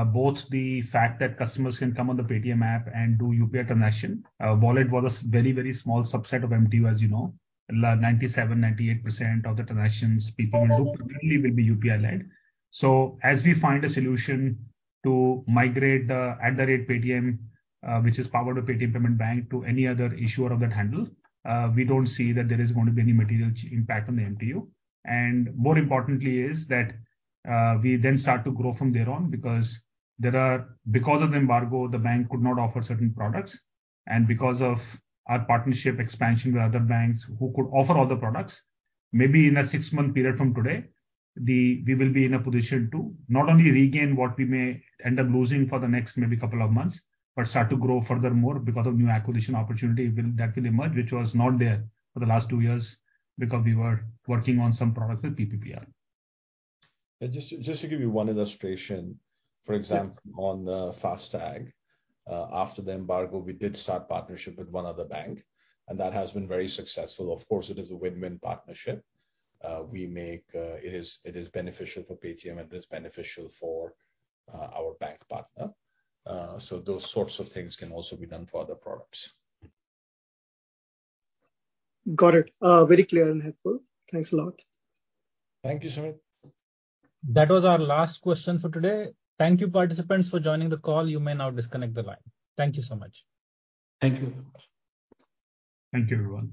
both the fact that customers can come on the Paytm app and do UPI transaction. Wallet was a very, very small subset of MTU, as you know. 97%-98% of the transactions people do primarily will be UPI-led. So as we find a solution to migrate the @Paytm, which is powered by Paytm Payments Bank to any other issuer of that handle, we don't see that there is going to be any material impact on the MTU. More importantly, is that we then start to grow from there on, because because of the embargo, the bank could not offer certain products, and because of our partnership expansion with other banks who could offer all the products, maybe in a six-month period from today, we will be in a position to not only regain what we may end up losing for the next maybe couple of months, but start to grow furthermore because of new acquisition opportunity will that will emerge, which was not there for the last two years because we were working on some products with PPBL. Just to give you one illustration, for example. Yeah ...on FASTag. After the embargo, we did start partnership with one other bank, and that has been very successful. Of course, it is a win-win partnership. It is, it is beneficial for Paytm, and it is beneficial for our bank partner. So those sorts of things can also be done for other products. Got it. Very clear and helpful. Thanks a lot. Thank you, Sumit. That was our last question for today. Thank you, participants, for joining the call. You may now disconnect the line. Thank you so much. Thank you. Thank you, everyone.